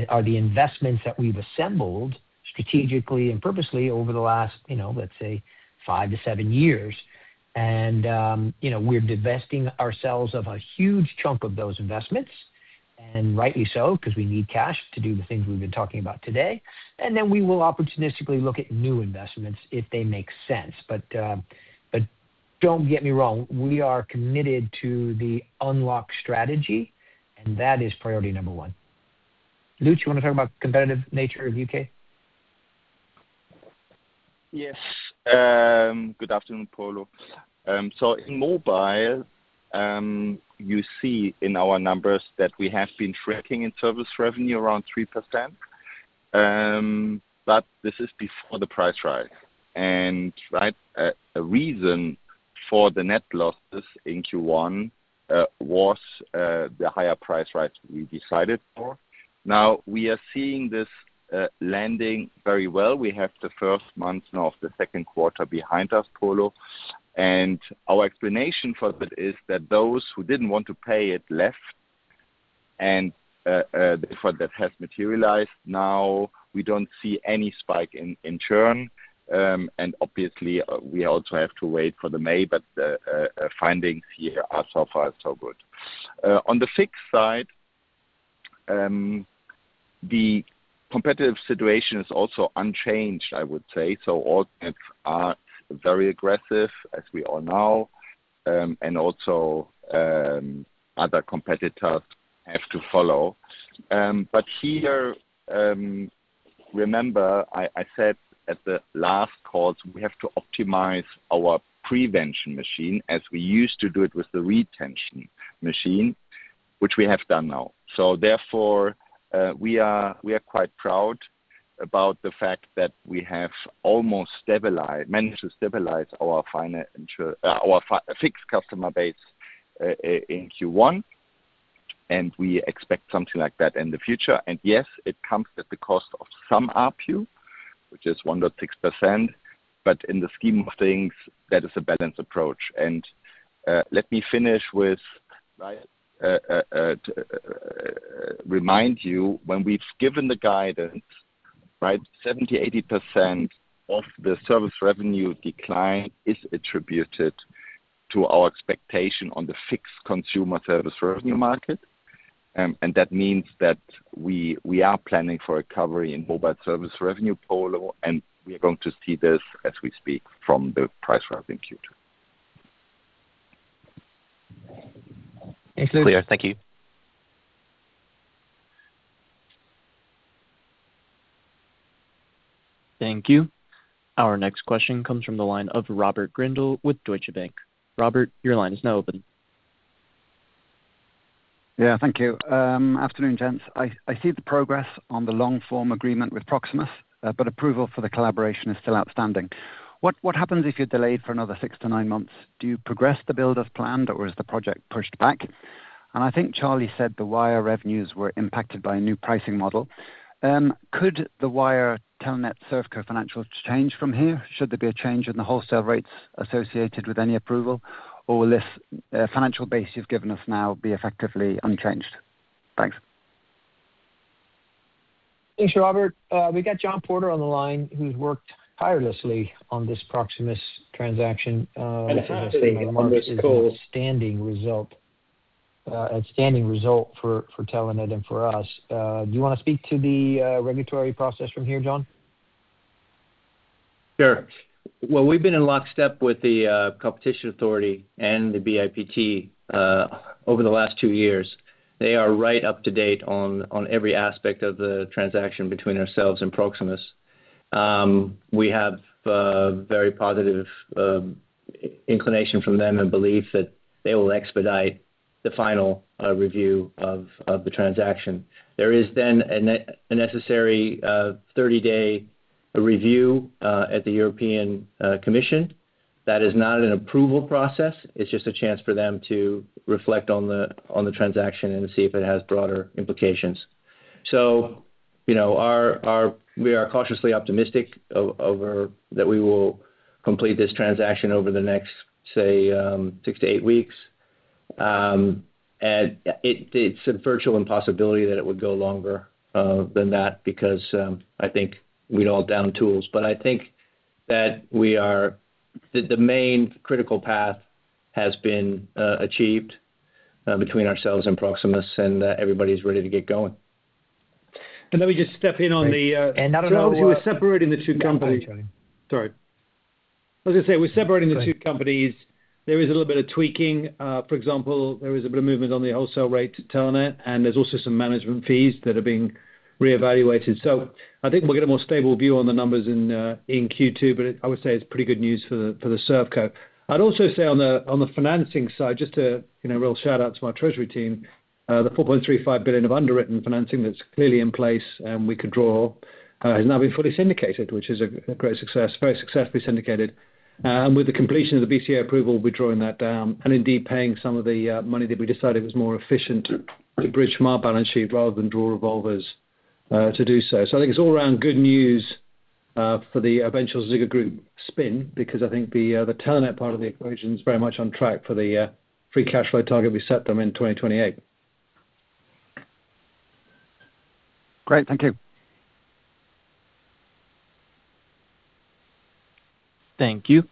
are the investments that we've assembled strategically and purposely over the last, you know, let's say five to seven years. You know, we're divesting ourselves of a huge chunk of those investments, and rightly so, 'cause we need cash to do the things we've been talking about today. Then we will opportunistically look at new investments if they make sense. Don't get me wrong, we are committed to the unlock strategy, and that is priority number 1. Lutz, you wanna talk about competitive nature of U.K.? Yes. Good afternoon, Polo Tang. In mobile, you see in our numbers that we have been tracking in service revenue around 3%. This is before the price rise. Right, a reason for the net losses in Q1 was the higher price rise we decided for. We are seeing this landing very well. We have the first months now of the 2nd quarter behind us, Polo Tang. Our explanation for that is that those who didn't want to pay it left and for that has materialized. We don't see any spike in churn. Obviously we also have to wait for the May, our findings here are so far so good. On the fixed side, the competitive situation is also unchanged, I would say. All nets are very aggressive as we are now. Other competitors have to follow. Here, remember I said at the last call, we have to optimize our prevention machine as we used to do it with the retention machine, which we have done now. Therefore, we are quite proud about the fact that we have almost managed to stabilize our fixed customer base in Q1, and we expect something like that in the future. Yes, it comes at the cost of some ARPU, which is 1.6%, but in the scheme of things that is a balanced approach. Let me finish with to remind you, when we've given the guidance, right, 70%-80% of the service revenue decline is attributed to our expectation on the fixed consumer service revenue market. That means that we are planning for a recovery in mobile service revenue, Polo, and we are going to see this as we speak from the price rise in Q2. Thanks, Lutz. Thanku Thank you. Our next question comes from the line of Robert Grindle with Deutsche Bank. Robert, your line is now open. Yeah. Thank you. Afternoon, gents. I see the progress on the long-form agreement with Proximus, approval for the collaboration is still outstanding. What happens if you're delayed for another six to nine months? Do you progress the build as planned, or is the project pushed back? I think Charlie said the Wyre revenues were impacted by a new pricing model. Could the Wyre Telenet ServCo financials change from here? Should there be a change in the wholesale rates associated with any approval? Will this financial base you've given us now be effectively unchanged? Thanks. Thanks, Robert. We got John Porter on the line, who's worked tirelessly on this Proximus transaction. Which I must say marks an outstanding result. Outstanding result for Telenet and for us. Do you wanna speak to the regulatory process from here, John? Sure. Well, we've been in lockstep with the competition authority and the BIPT over the last two years. They are right up to date on every aspect of the transaction between ourselves and Proximus. We have very positive inclination from them and belief that they will expedite the final review of the transaction. There is a necessary 30-day review at the European Commission. That is not an approval process. It's just a chance for them to reflect on the transaction and see if it has broader implications. You know, we are cautiously optimistic that we will complete this transaction over the next, say, six to eight weeks. It's a virtual impossibility that it would go longer than that because I think we'd all down tools. The main critical path has been achieved between ourselves and Proximus, and everybody's ready to get going. Let me just step in on the. I don't know. As we're separating the two companies. Oh, go ahead, Charlie. Sorry. I was going to say we're separating the two companies. There is a little bit of tweaking. For example, there is a bit of movement on the wholesale rate to Telenet, and there's also some management fees that are being reevaluated. I think we'll get a more stable view on the numbers in Q2, but I would say it's pretty good news for the ServCo. I'd also say on the financing side, just to, you know, real shout-out to my treasury team, the 4.35 billion of underwritten financing that's clearly in place and we could draw, has now been fully syndicated, which is a great success. Very successfully syndicated. With the completion of the BCA approval, we're drawing that down and indeed paying some of the money that we decided was more efficient to bridge from our balance sheet rather than draw revolvers to do so. I think it's all around good news for the eventual Ziggo Group spin, because I think the Telenet part of the equation is very much on track for the free cash flow target we set them in 2028. Great. Thank you. Thank you.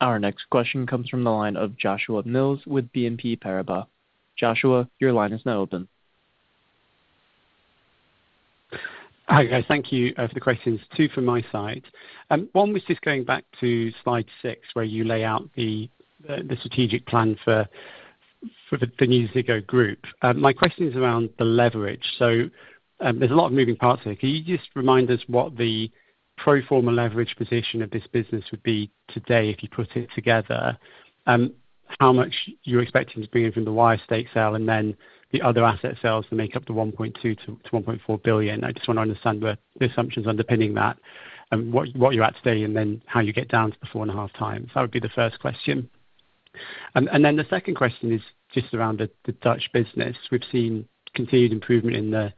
Our next question comes from the line of Joshua Mills with BNP Paribas. Joshua, your line is now open. Hi, guys. Thank you for the questions. Two from my side. One was just going back to slide 6, where you lay out the strategic plan for the new Ziggo Group. My question is around the leverage. There's a lot of moving parts there. Can you just remind us what the pro forma leverage position of this business would be today if you put it together? How much you're expecting to bring in from the Wyre state sale, and then the other asset sales that make up the 1.2 billion-1.4 billion. I just wanna understand the assumptions underpinning that and what you're at today, and then how you get down to the 4.5x. That would be the first question. The second question is just around the Dutch business. We've seen continued improvement in the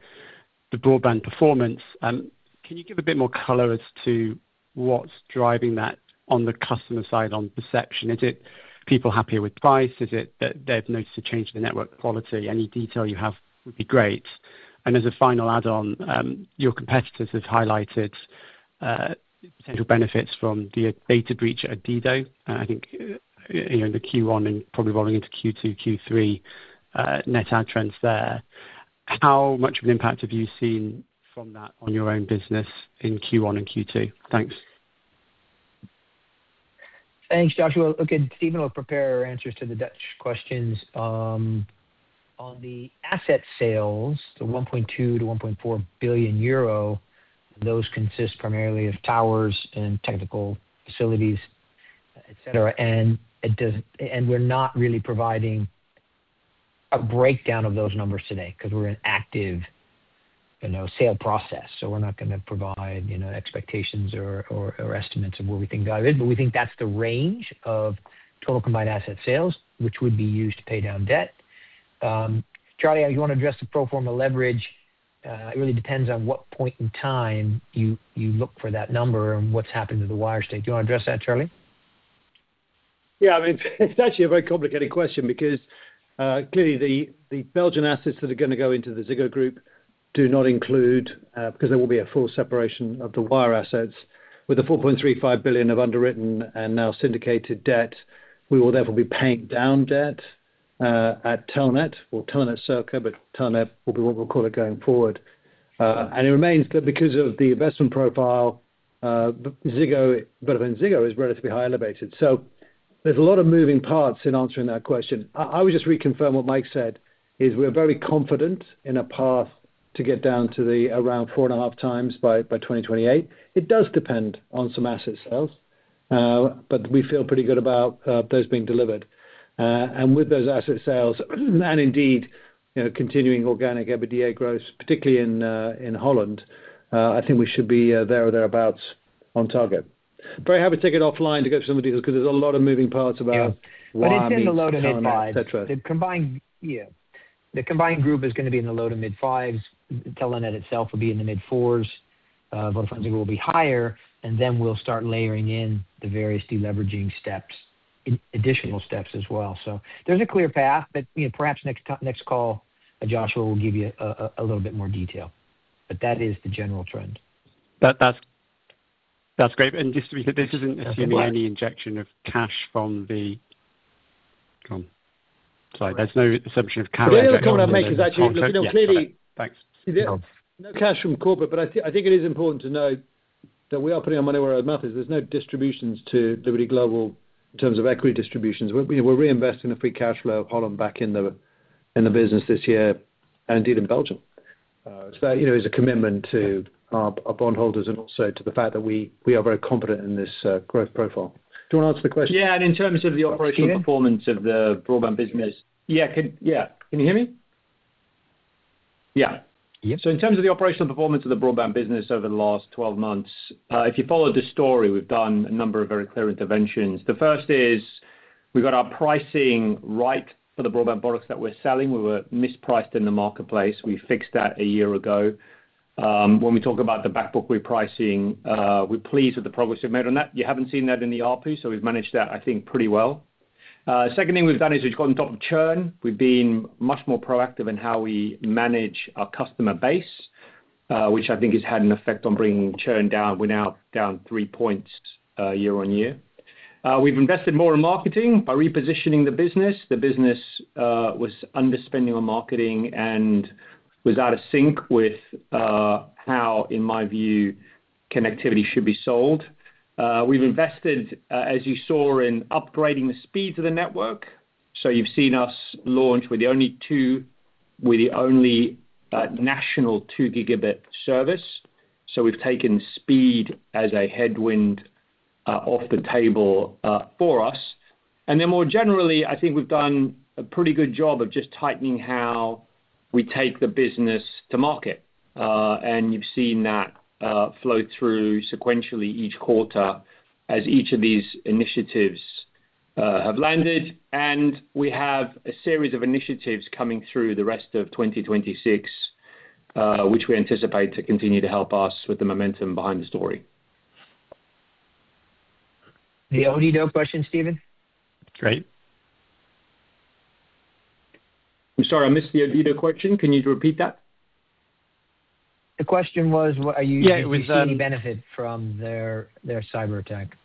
broadband performance. Can you give a bit more color as to what's driving that on the customer side on perception? Is it people happier with price? Is it that they've noticed a change in the network quality? Any detail you have would be great. As a final add-on, your competitors have highlighted potential benefits from the data breach at Odido, and I think, you know, in the Q1 and probably rolling into Q2, Q3, net add trends there. How much of an impact have you seen from that on your own business in Q1 and Q2? Thanks. Thanks, Joshua. Stephen will prepare our answers to the Dutch questions. On the asset sales, the 1.2 billion-1.4 billion euro, those consist primarily of towers and technical facilities, et cetera. We're not really providing a breakdown of those numbers today 'cause we're in active, you know, sale process. We're not gonna provide, you know, expectations or estimates of where we think value is, but we think that's the range of total combined asset sales, which would be used to pay down debt. Charlie, you wanna address the pro forma leverage? It really depends on what point in time you look for that number and what's happened to the Wyre. Do you wanna address that, Charlie? Yeah. I mean, it's actually a very complicated question because clearly the Belgian assets that are going to go into the Ziggo Group do not include, 'cause there will be a full separation of the Wyre assets. With the 4.35 billion of underwritten and now syndicated debt, we will therefore be paying down debt at Telenet or Telenet ServCo, but Telenet will be what we'll call it going forward. It remains that because of the investment profile, VodafoneZiggo is relatively higher elevated. There's a lot of moving parts in answering that question. I would just reconfirm what Mike said, is we're very confident in a path to get down to the around 4.5 times by 2028. It does depend on some asset sales, but we feel pretty good about those being delivered. With those asset sales and indeed, you know, continuing organic EBITDA growth, particularly in Holland, I think we should be there or thereabouts on target. Very happy to take it offline to go through some of these 'cause there's a lot of moving parts. Yeah It's in the low to mid fives. Yeah. The combined group is going to be in the low to mid fives. Telenet itself will be in the mid fours. VodafoneZiggo will be higher. We'll start layering in the various de-leveraging steps, additional steps as well. There's a clear path. You know, perhaps next call, Joshua, we'll give you a little bit more detail. That is the general trend. That's, that's great. Just to be clear, this isn't assuming any injection of cash. Sorry. There's no assumption of cash going in from Liberty Global into Telco. The only other comment I'll make is actually, look, you know, clearly. Yeah. Go ahead. Thanks. No cash from corporate. I think it is important to know that we are putting our money where our mouth is. There's no distributions to Liberty Global in terms of equity distributions. We're, you know, we're reinvesting the free cash flow of Holland back in the business this year and indeed in Belgium. That, you know, is a commitment to our bondholders and also to the fact that we are very confident in this growth profile. Do you wanna answer the question? Yeah. In terms of the operational performance of the broadband business. Yeah. Can you hear me? Yeah. In terms of the operational performance of the broadband business over the last 12 months, if you follow the story, we've done a number of very clear interventions. The first is we got our pricing right for the broadband products that we're selling. We were mispriced in the marketplace. We fixed that a year ago. When we talk about the back book we're pricing, we're pleased with the progress we've made on that. You haven't seen that in the RP, so we've managed that, I think, pretty well. Second thing we've done is we've gotten on top of churn. We've been much more proactive in how we manage our customer base, which I think has had an effect on bringing churn down. We're now down 3 points year-on-year. We've invested more in marketing by repositioning the business. The business was underspending on marketing and was out of sync with how, in my view, connectivity should be sold. We've invested, as you saw, in upgrading the speeds of the network. You've seen us launch. We're the only national 2 GB service, we've taken speed as a headwind off the table for us. More generally, I think we've done a pretty good job of just tightening how we take the business to market. You've seen that flow through sequentially each quarter as each of these initiatives have landed. We have a series of initiatives coming through the rest of 2026, which we anticipate to continue to help us with the momentum behind the story. The [Odido question, Stephen I'm sorry, I missed the Odido question. Can you repeat that? The question was, what are you. Yeah. It was. Do you see any benefit from their cyber attack?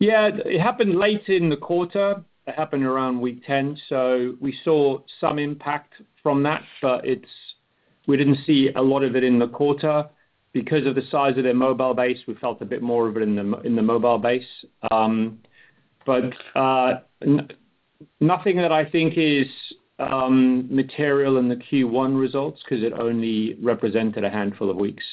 Yeah. It happened late in the quarter. It happened around week 10, so we saw some impact from that. We didn't see a lot of it in the quarter. Because of the size of their mobile base, we felt a bit more of it in the mobile base. nothing that I think is material in the Q1 results 'cause it only represented a handful of weeks.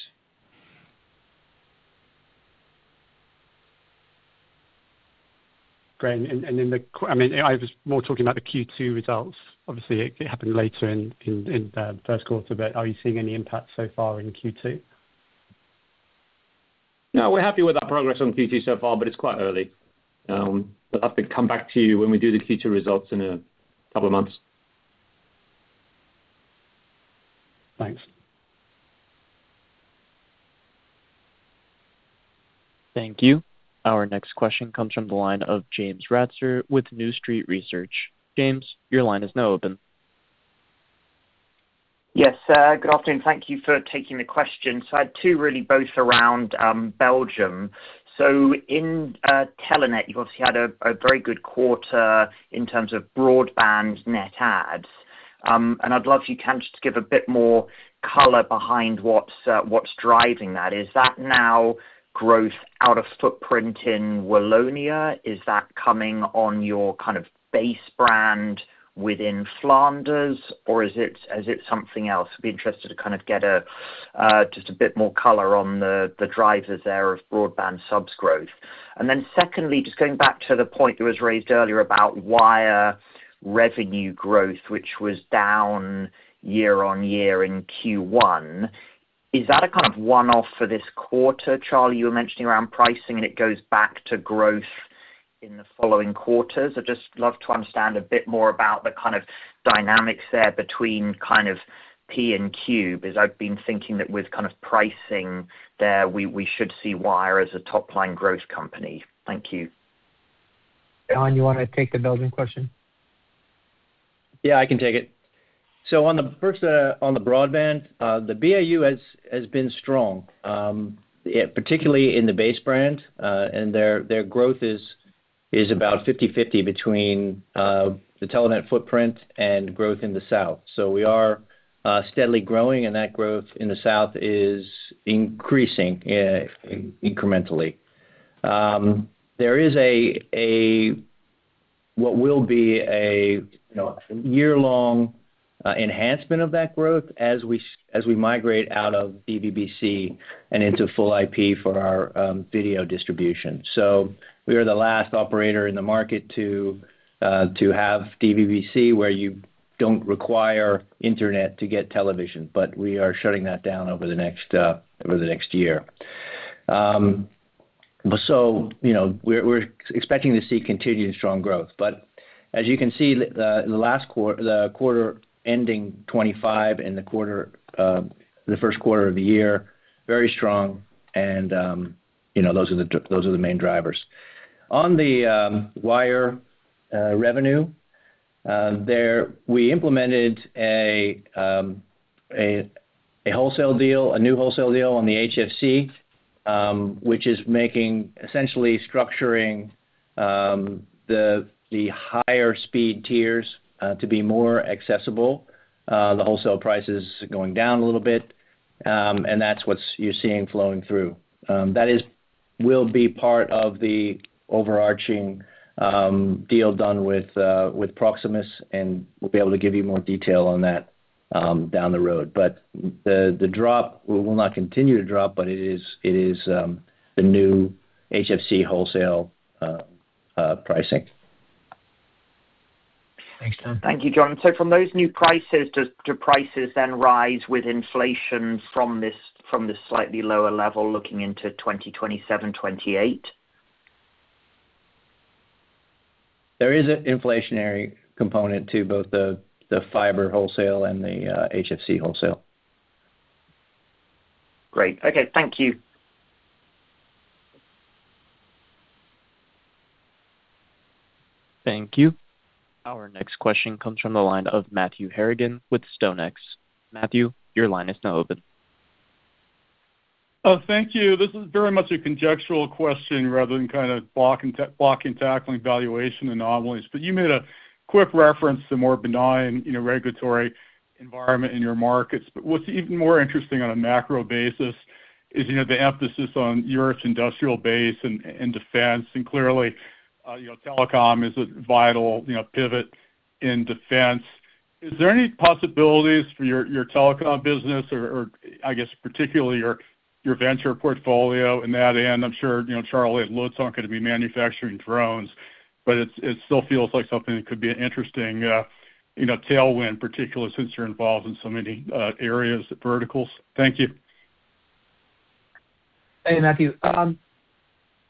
Great. I mean, I was more talking about the Q2 results. Obviously, it happened later in the first quarter, but are you seeing any impact so far in Q2? No, we're happy with our progress on Q2 so far, but it's quite early. I'll have to come back to you when we do the Q2 results in a couple of months. Thanks. Thank you. Our next question comes from the line of James Ratzer with New Street Research. James, your line is now open. Yes. Good afternoon. Thank you for taking the question. I had two really both around Belgium. In Telenet, you obviously had a very good quarter in terms of broadband net adds. I'd love if you can just give a bit more color behind what's driving that. Is that now growth out of footprint in Wallonia? Is that coming on your kind of base brand within Flanders, or is it something else? I'd be interested to kind of get a just a bit more color on the drivers there of broadband subs growth. Then secondly, just going back to the point that was raised earlier about Wyre revenue growth, which was down year-on-year in Q1. Is that a kind of 1-off for this quarter, Charlie, you were mentioning around pricing, and it goes back to growth in the following quarters? I'd just love to understand a bit more about the kind of dynamics there between kind of P and Q, because I've been thinking that with kind of pricing there, we should see Wyre as a top-line growth company. Thank you. John, you wanna take the Belgium question? Yeah, I can take it. On the first, on the broadband, the BAU has been strong, particularly in the BASE brand. Their growth is about 50/50 between the Telenet footprint and growth in the South. We are steadily growing, and that growth in the South is increasing incrementally. There is what will be a, you know, year-long enhancement of that growth as we migrate out of DVB-C and into full IP for our video distribution. We are the last operator in the market to have DVB-C where you don't require internet to get television, but we are shutting that down over the next year. You know, we're expecting to see continued strong growth. As you can see, the quarter ending 25 and the first quarter of the year, very strong and those are the main drivers. On the Wyre revenue, there we implemented a wholesale deal, a new wholesale deal on the HFC, which is essentially structuring the higher speed tiers to be more accessible. The wholesale price is going down a little bit, and that's what you're seeing flowing through. That will be part of the overarching deal done with Proximus, and we'll be able to give you more detail on that down the road. The drop will not continue to drop, but it is the new HFC wholesale pricing. Thank you, John. From those new prices, do prices then rise with inflation from this slightly lower level looking into 2027, 2028? There is an inflationary component to both the fiber wholesale and the HFC wholesale. Great. Okay. Thank you. Thank you. Our next question comes from the line of Matthew Harrigan with StoneX. Matthew, your line is now open. Oh, thank you. This is very much a conjectural question rather than kind of blocking, tackling valuation anomalies. You made a quick reference to more benign, you know, regulatory environment in your markets. What's even more interesting on a macro basis is, you know, the emphasis on Europe's industrial base and defense. Clearly, you know, telecom is a vital, you know, pivot in defense. Is there any possibilities for your telecom business or I guess particularly your venture portfolio in that end? I'm sure, you know, Charlie and Lutz aren't gonna be manufacturing drones, but it still feels like something that could be an interesting, you know, tailwind, particularly since you're involved in so many areas and verticals. Thank you. Hey, Matthew.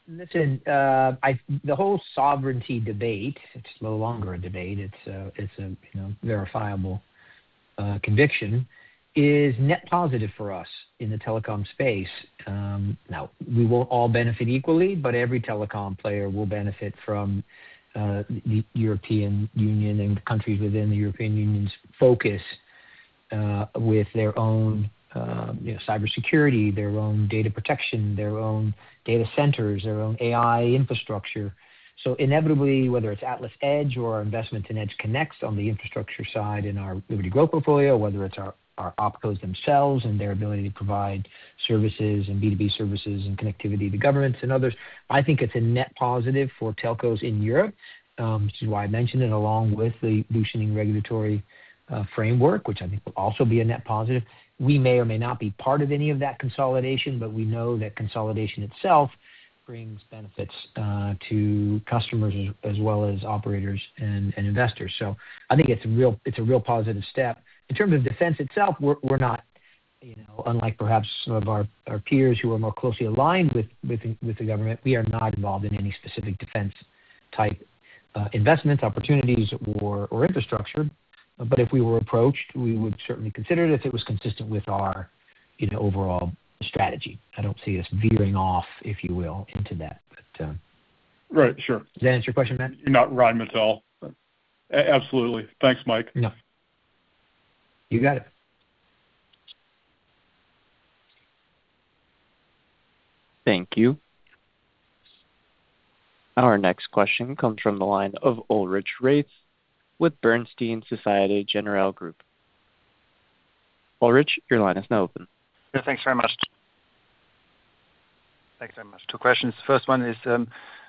Listen, the whole sovereignty debate, it's no longer a debate, it's a, it's a, you know, verifiable conviction, is net positive for us in the telecom space. Now we won't all benefit equally, but every telecom player will benefit from the European Union and countries within the European Union's focus with their own, you know, cybersecurity, their own data protection, their own data centers, their own AI infrastructure. Inevitably, whether it's AtlasEdge or our investment in EdgeConneX on the infrastructure side in our Liberty Growth portfolio, whether it's our opcos themselves and their ability to provide services and B2B services and connectivity to governments and others, I think it's a net positive for telcos in Europe, which is why I mentioned it along with the loosening regulatory framework, which I think will also be a net positive. We may or may not be part of any of that consolidation, we know that consolidation itself brings benefits to customers as well as operators and investors. I think it's a real positive step. In terms of defense itself, we're not, you know, unlike perhaps some of our peers who are more closely aligned with the government, we are not involved in any specific defense type investment opportunities or infrastructure. If we were approached, we would certainly consider it if it was consistent with our, you know, overall strategy. I don't see us veering off, if you will, into that, but. Right. Sure. Does that answer your question, Matt? You're not [audio inaudible]. Absolutely. Thanks, Mike. No. You got it. Thank you. Our next question comes from the line of Ulrich Rathe with Bernstein Societe Generale Group. Ulrich, your line is now open. Yeah, thanks very much. Thanks very much. Two questions. First one is,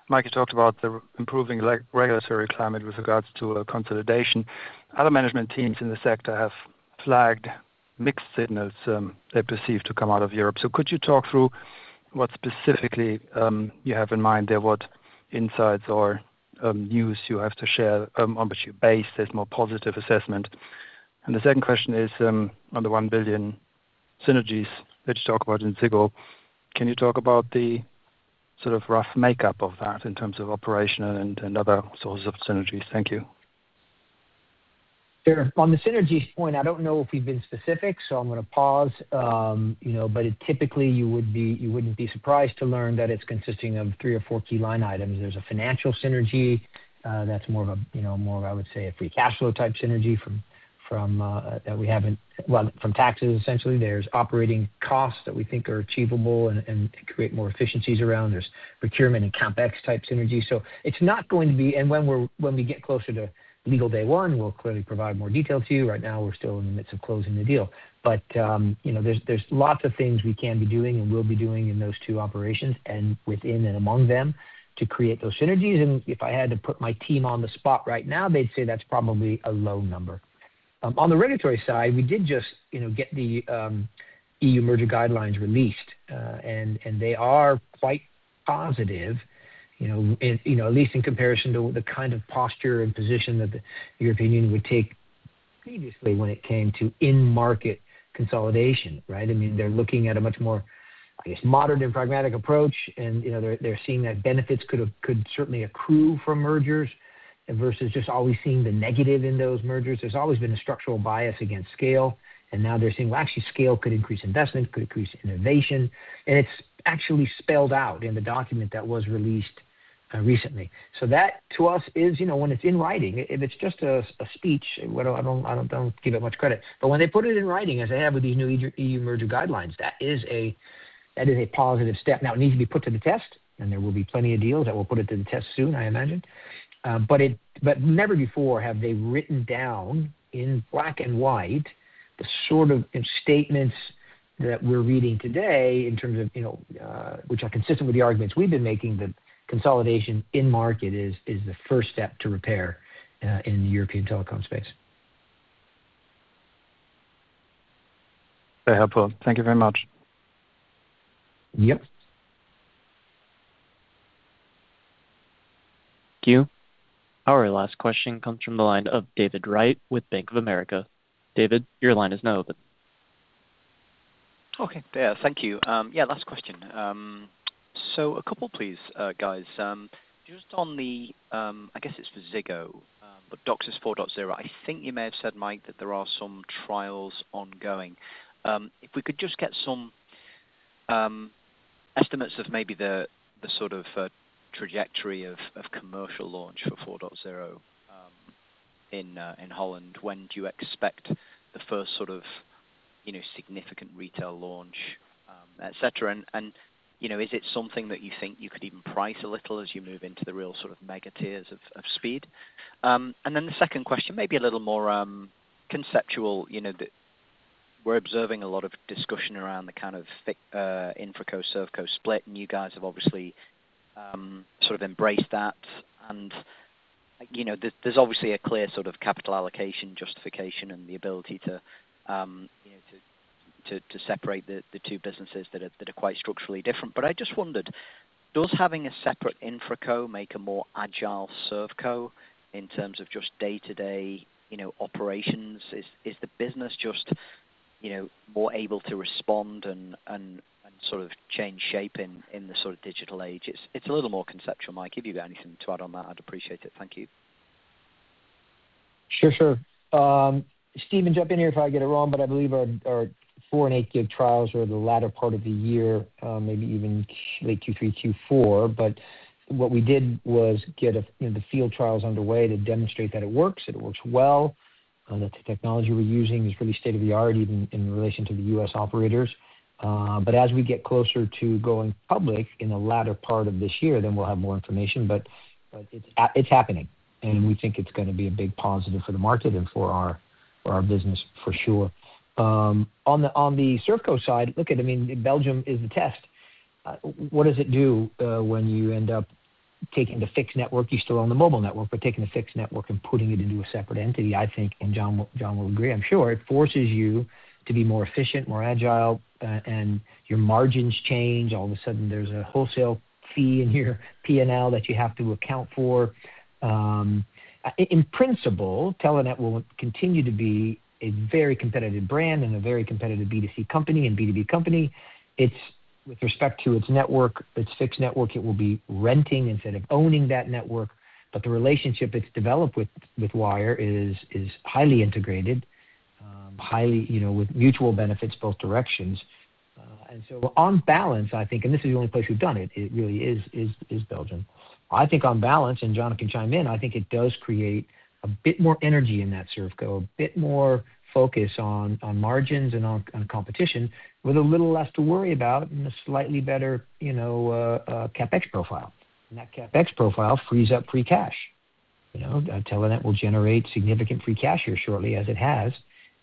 Mike, you talked about the improving re-regulatory climate with regards to consolidation. Other management teams in the sector have flagged mixed signals they perceive to come out of Europe. Could you talk through what specifically you have in mind there? What insights or news you have to share on which you base this more positive assessment? The second question is on the 1 billion synergies that you talk about in Ziggo, can you talk about the sort of rough makeup of that in terms of operational and other sources of synergies? Thank you. Sure. On the synergies point, I don't know if we've been specific, so I'm gonna pause. You know, but it typically you wouldn't be surprised to learn that it's consisting of three or four key line items. There's a financial synergy, that's more of a, you know, more of, I would say, a free cash flow type synergy from, that we haven't. Well, from taxes, essentially. There's operating costs that we think are achievable and create more efficiencies around. There's procurement and CapEx type synergy. So it's not going to be. When we get closer to legal day 1, we'll clearly provide more detail to you. Right now, we're still in the midst of closing the deal. You know, there's lots of things we can be doing and will be doing in those two operations and within and among them to create those synergies. If I had to put my team on the spot right now, they'd say that's probably a low number. On the regulatory side, we did just, you know, get the EU merger guidelines released, and they are quite positive, you know, and, you know, at least in comparison to the kind of posture and position that the European Union would take previously when it came to in-market consolidation, right? I mean, they're looking at a much more, I guess, modern and pragmatic approach and, you know, they're seeing that benefits could certainly accrue from mergers versus just always seeing the negative in those mergers. There's always been a structural bias against scale, now they're seeing, well, actually scale could increase investment, could increase innovation. It's actually spelled out in the document that was released recently. That to us is, you know, when it's in writing. If it's just a speech, I don't give it much credit. When they put it in writing, as they have with these new EU merger guidelines, that is a positive step. It needs to be put to the test, there will be plenty of deals that will put it to the test soon, I imagine. Never before have they written down in black and white the sort of statements that we're reading today in terms of, you know, which are consistent with the arguments we've been making, that consolidation in market is the first step to repair in the European Telecom space. Very helpful. Thank you very much. Yep. Thank you. Our last question comes from the line of David Wright with Bank of America. David, your line is now open. Okay. Yeah. Thank you. Yeah, last question. A couple please, guys. Just on the, I guess it's for Ziggo, DOCSIS 4.0. I think you may have said, Mike, that there are some trials ongoing. If we could just get some estimates of maybe the sort of trajectory of commercial launch for 4.0 in Holland. When do you expect the first sort of, you know, significant retail launch, et cetera? Is it something that you think you could even price a little as you move into the real sort of mega tiers of speed? Then the second question, maybe a little more conceptual. You know, we're observing a lot of discussion around the kind of InfraCo, ServCo split, and you guys have obviously sort of embraced that. You know, there's obviously a clear sort of capital allocation justification and the ability to, you know, to separate the two businesses that are quite structurally different. I just wondered, does having a separate InfraCo make a more agile ServCo in terms of just day-to-day, you know, operations? Is the business just, you know, more able to respond and sort of change shape in the sort of digital age? It's a little more conceptual, Mike. If you've got anything to add on that, I'd appreciate it. Thank you. Sure, sure. Steve Malcolm, jump in here if I get it wrong, I believe our 4 and 8 gig trials are the latter part of the year, maybe even late Q3, Q4. What we did was get a, you know, the field trials underway to demonstrate that it works, it works well, that the technology we're using is really state-of-the-art, even in relation to the U.S. operators. As we get closer to going public in the latter part of this year, we'll have more information. It's happening, and we think it's gonna be a big positive for the market and for our, for our business for sure. On the, on the ServCo side, look at, I mean, Belgium is the test. What does it do when you end up taking the fixed network, you still own the mobile network, but taking the fixed network and putting it into a separate entity? I think, and John will agree, I'm sure, it forces you to be more efficient, more agile, and your margins change. All of a sudden, there's a wholesale fee in your P&L that you have to account for. In principle, Telenet will continue to be a very competitive brand and a very competitive B2C company and B2B company. It's with respect to its network, its fixed network, it will be renting instead of owning that network. The relationship it's developed with Wyre is highly integrated, highly, you know, with mutual benefits both directions. On balance, I think, and this is the only place we've done it really is Belgium. I think on balance, and John can chime in, I think it does create a bit more energy in that ServCo, a bit more focus on margins and on competition with a little less to worry about and a slightly better, you know, CapEx profile. That CapEx profile frees up free cash. You know, Telenet will generate significant free cash here shortly as it has,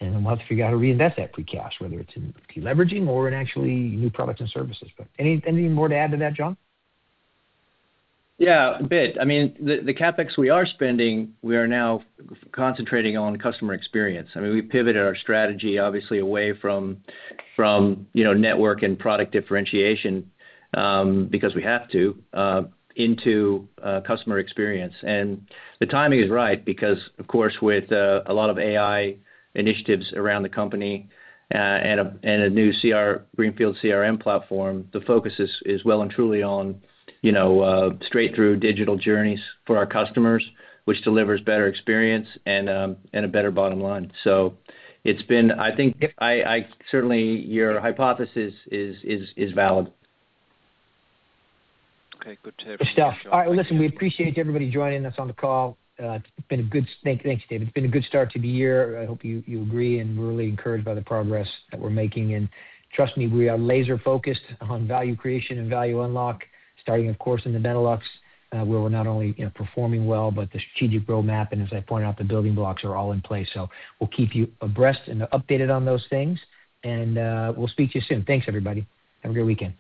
and we'll have to figure out how to reinvest that free cash, whether it's in de-leveraging or in actually new products and services. Any, anything more to add to that, John? Yeah, a bit. The CapEx we are spending, we are now concentrating on customer experience. We pivoted our strategy, obviously away from network and product differentiation, because we have to, into customer experience. The timing is right because, of course, with a lot of AI initiatives around the company, and a new greenfield CRM platform, the focus is well and truly on straight through digital journeys for our customers, which delivers better experience and a better bottom line. I think certainly your hypothesis is valid. Okay. Good to hear. All right. Listen, we appreciate everybody joining us on the call. Thanks, David. It's been a good start to the year. I hope you agree, and we're really encouraged by the progress that we're making. Trust me, we are laser-focused on value creation and value unlock, starting, of course, in the Benelux, where we're not only, you know, performing well, but the strategic roadmap, and as I pointed out, the building blocks are all in place. We'll keep you abreast and updated on those things and we'll speak to you soon. Thanks, everybody. Have a great weekend.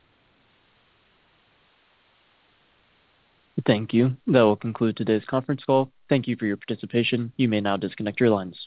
Thank you. That will conclude today's conference call. Thank you for your participation. You may now disconnect your lines.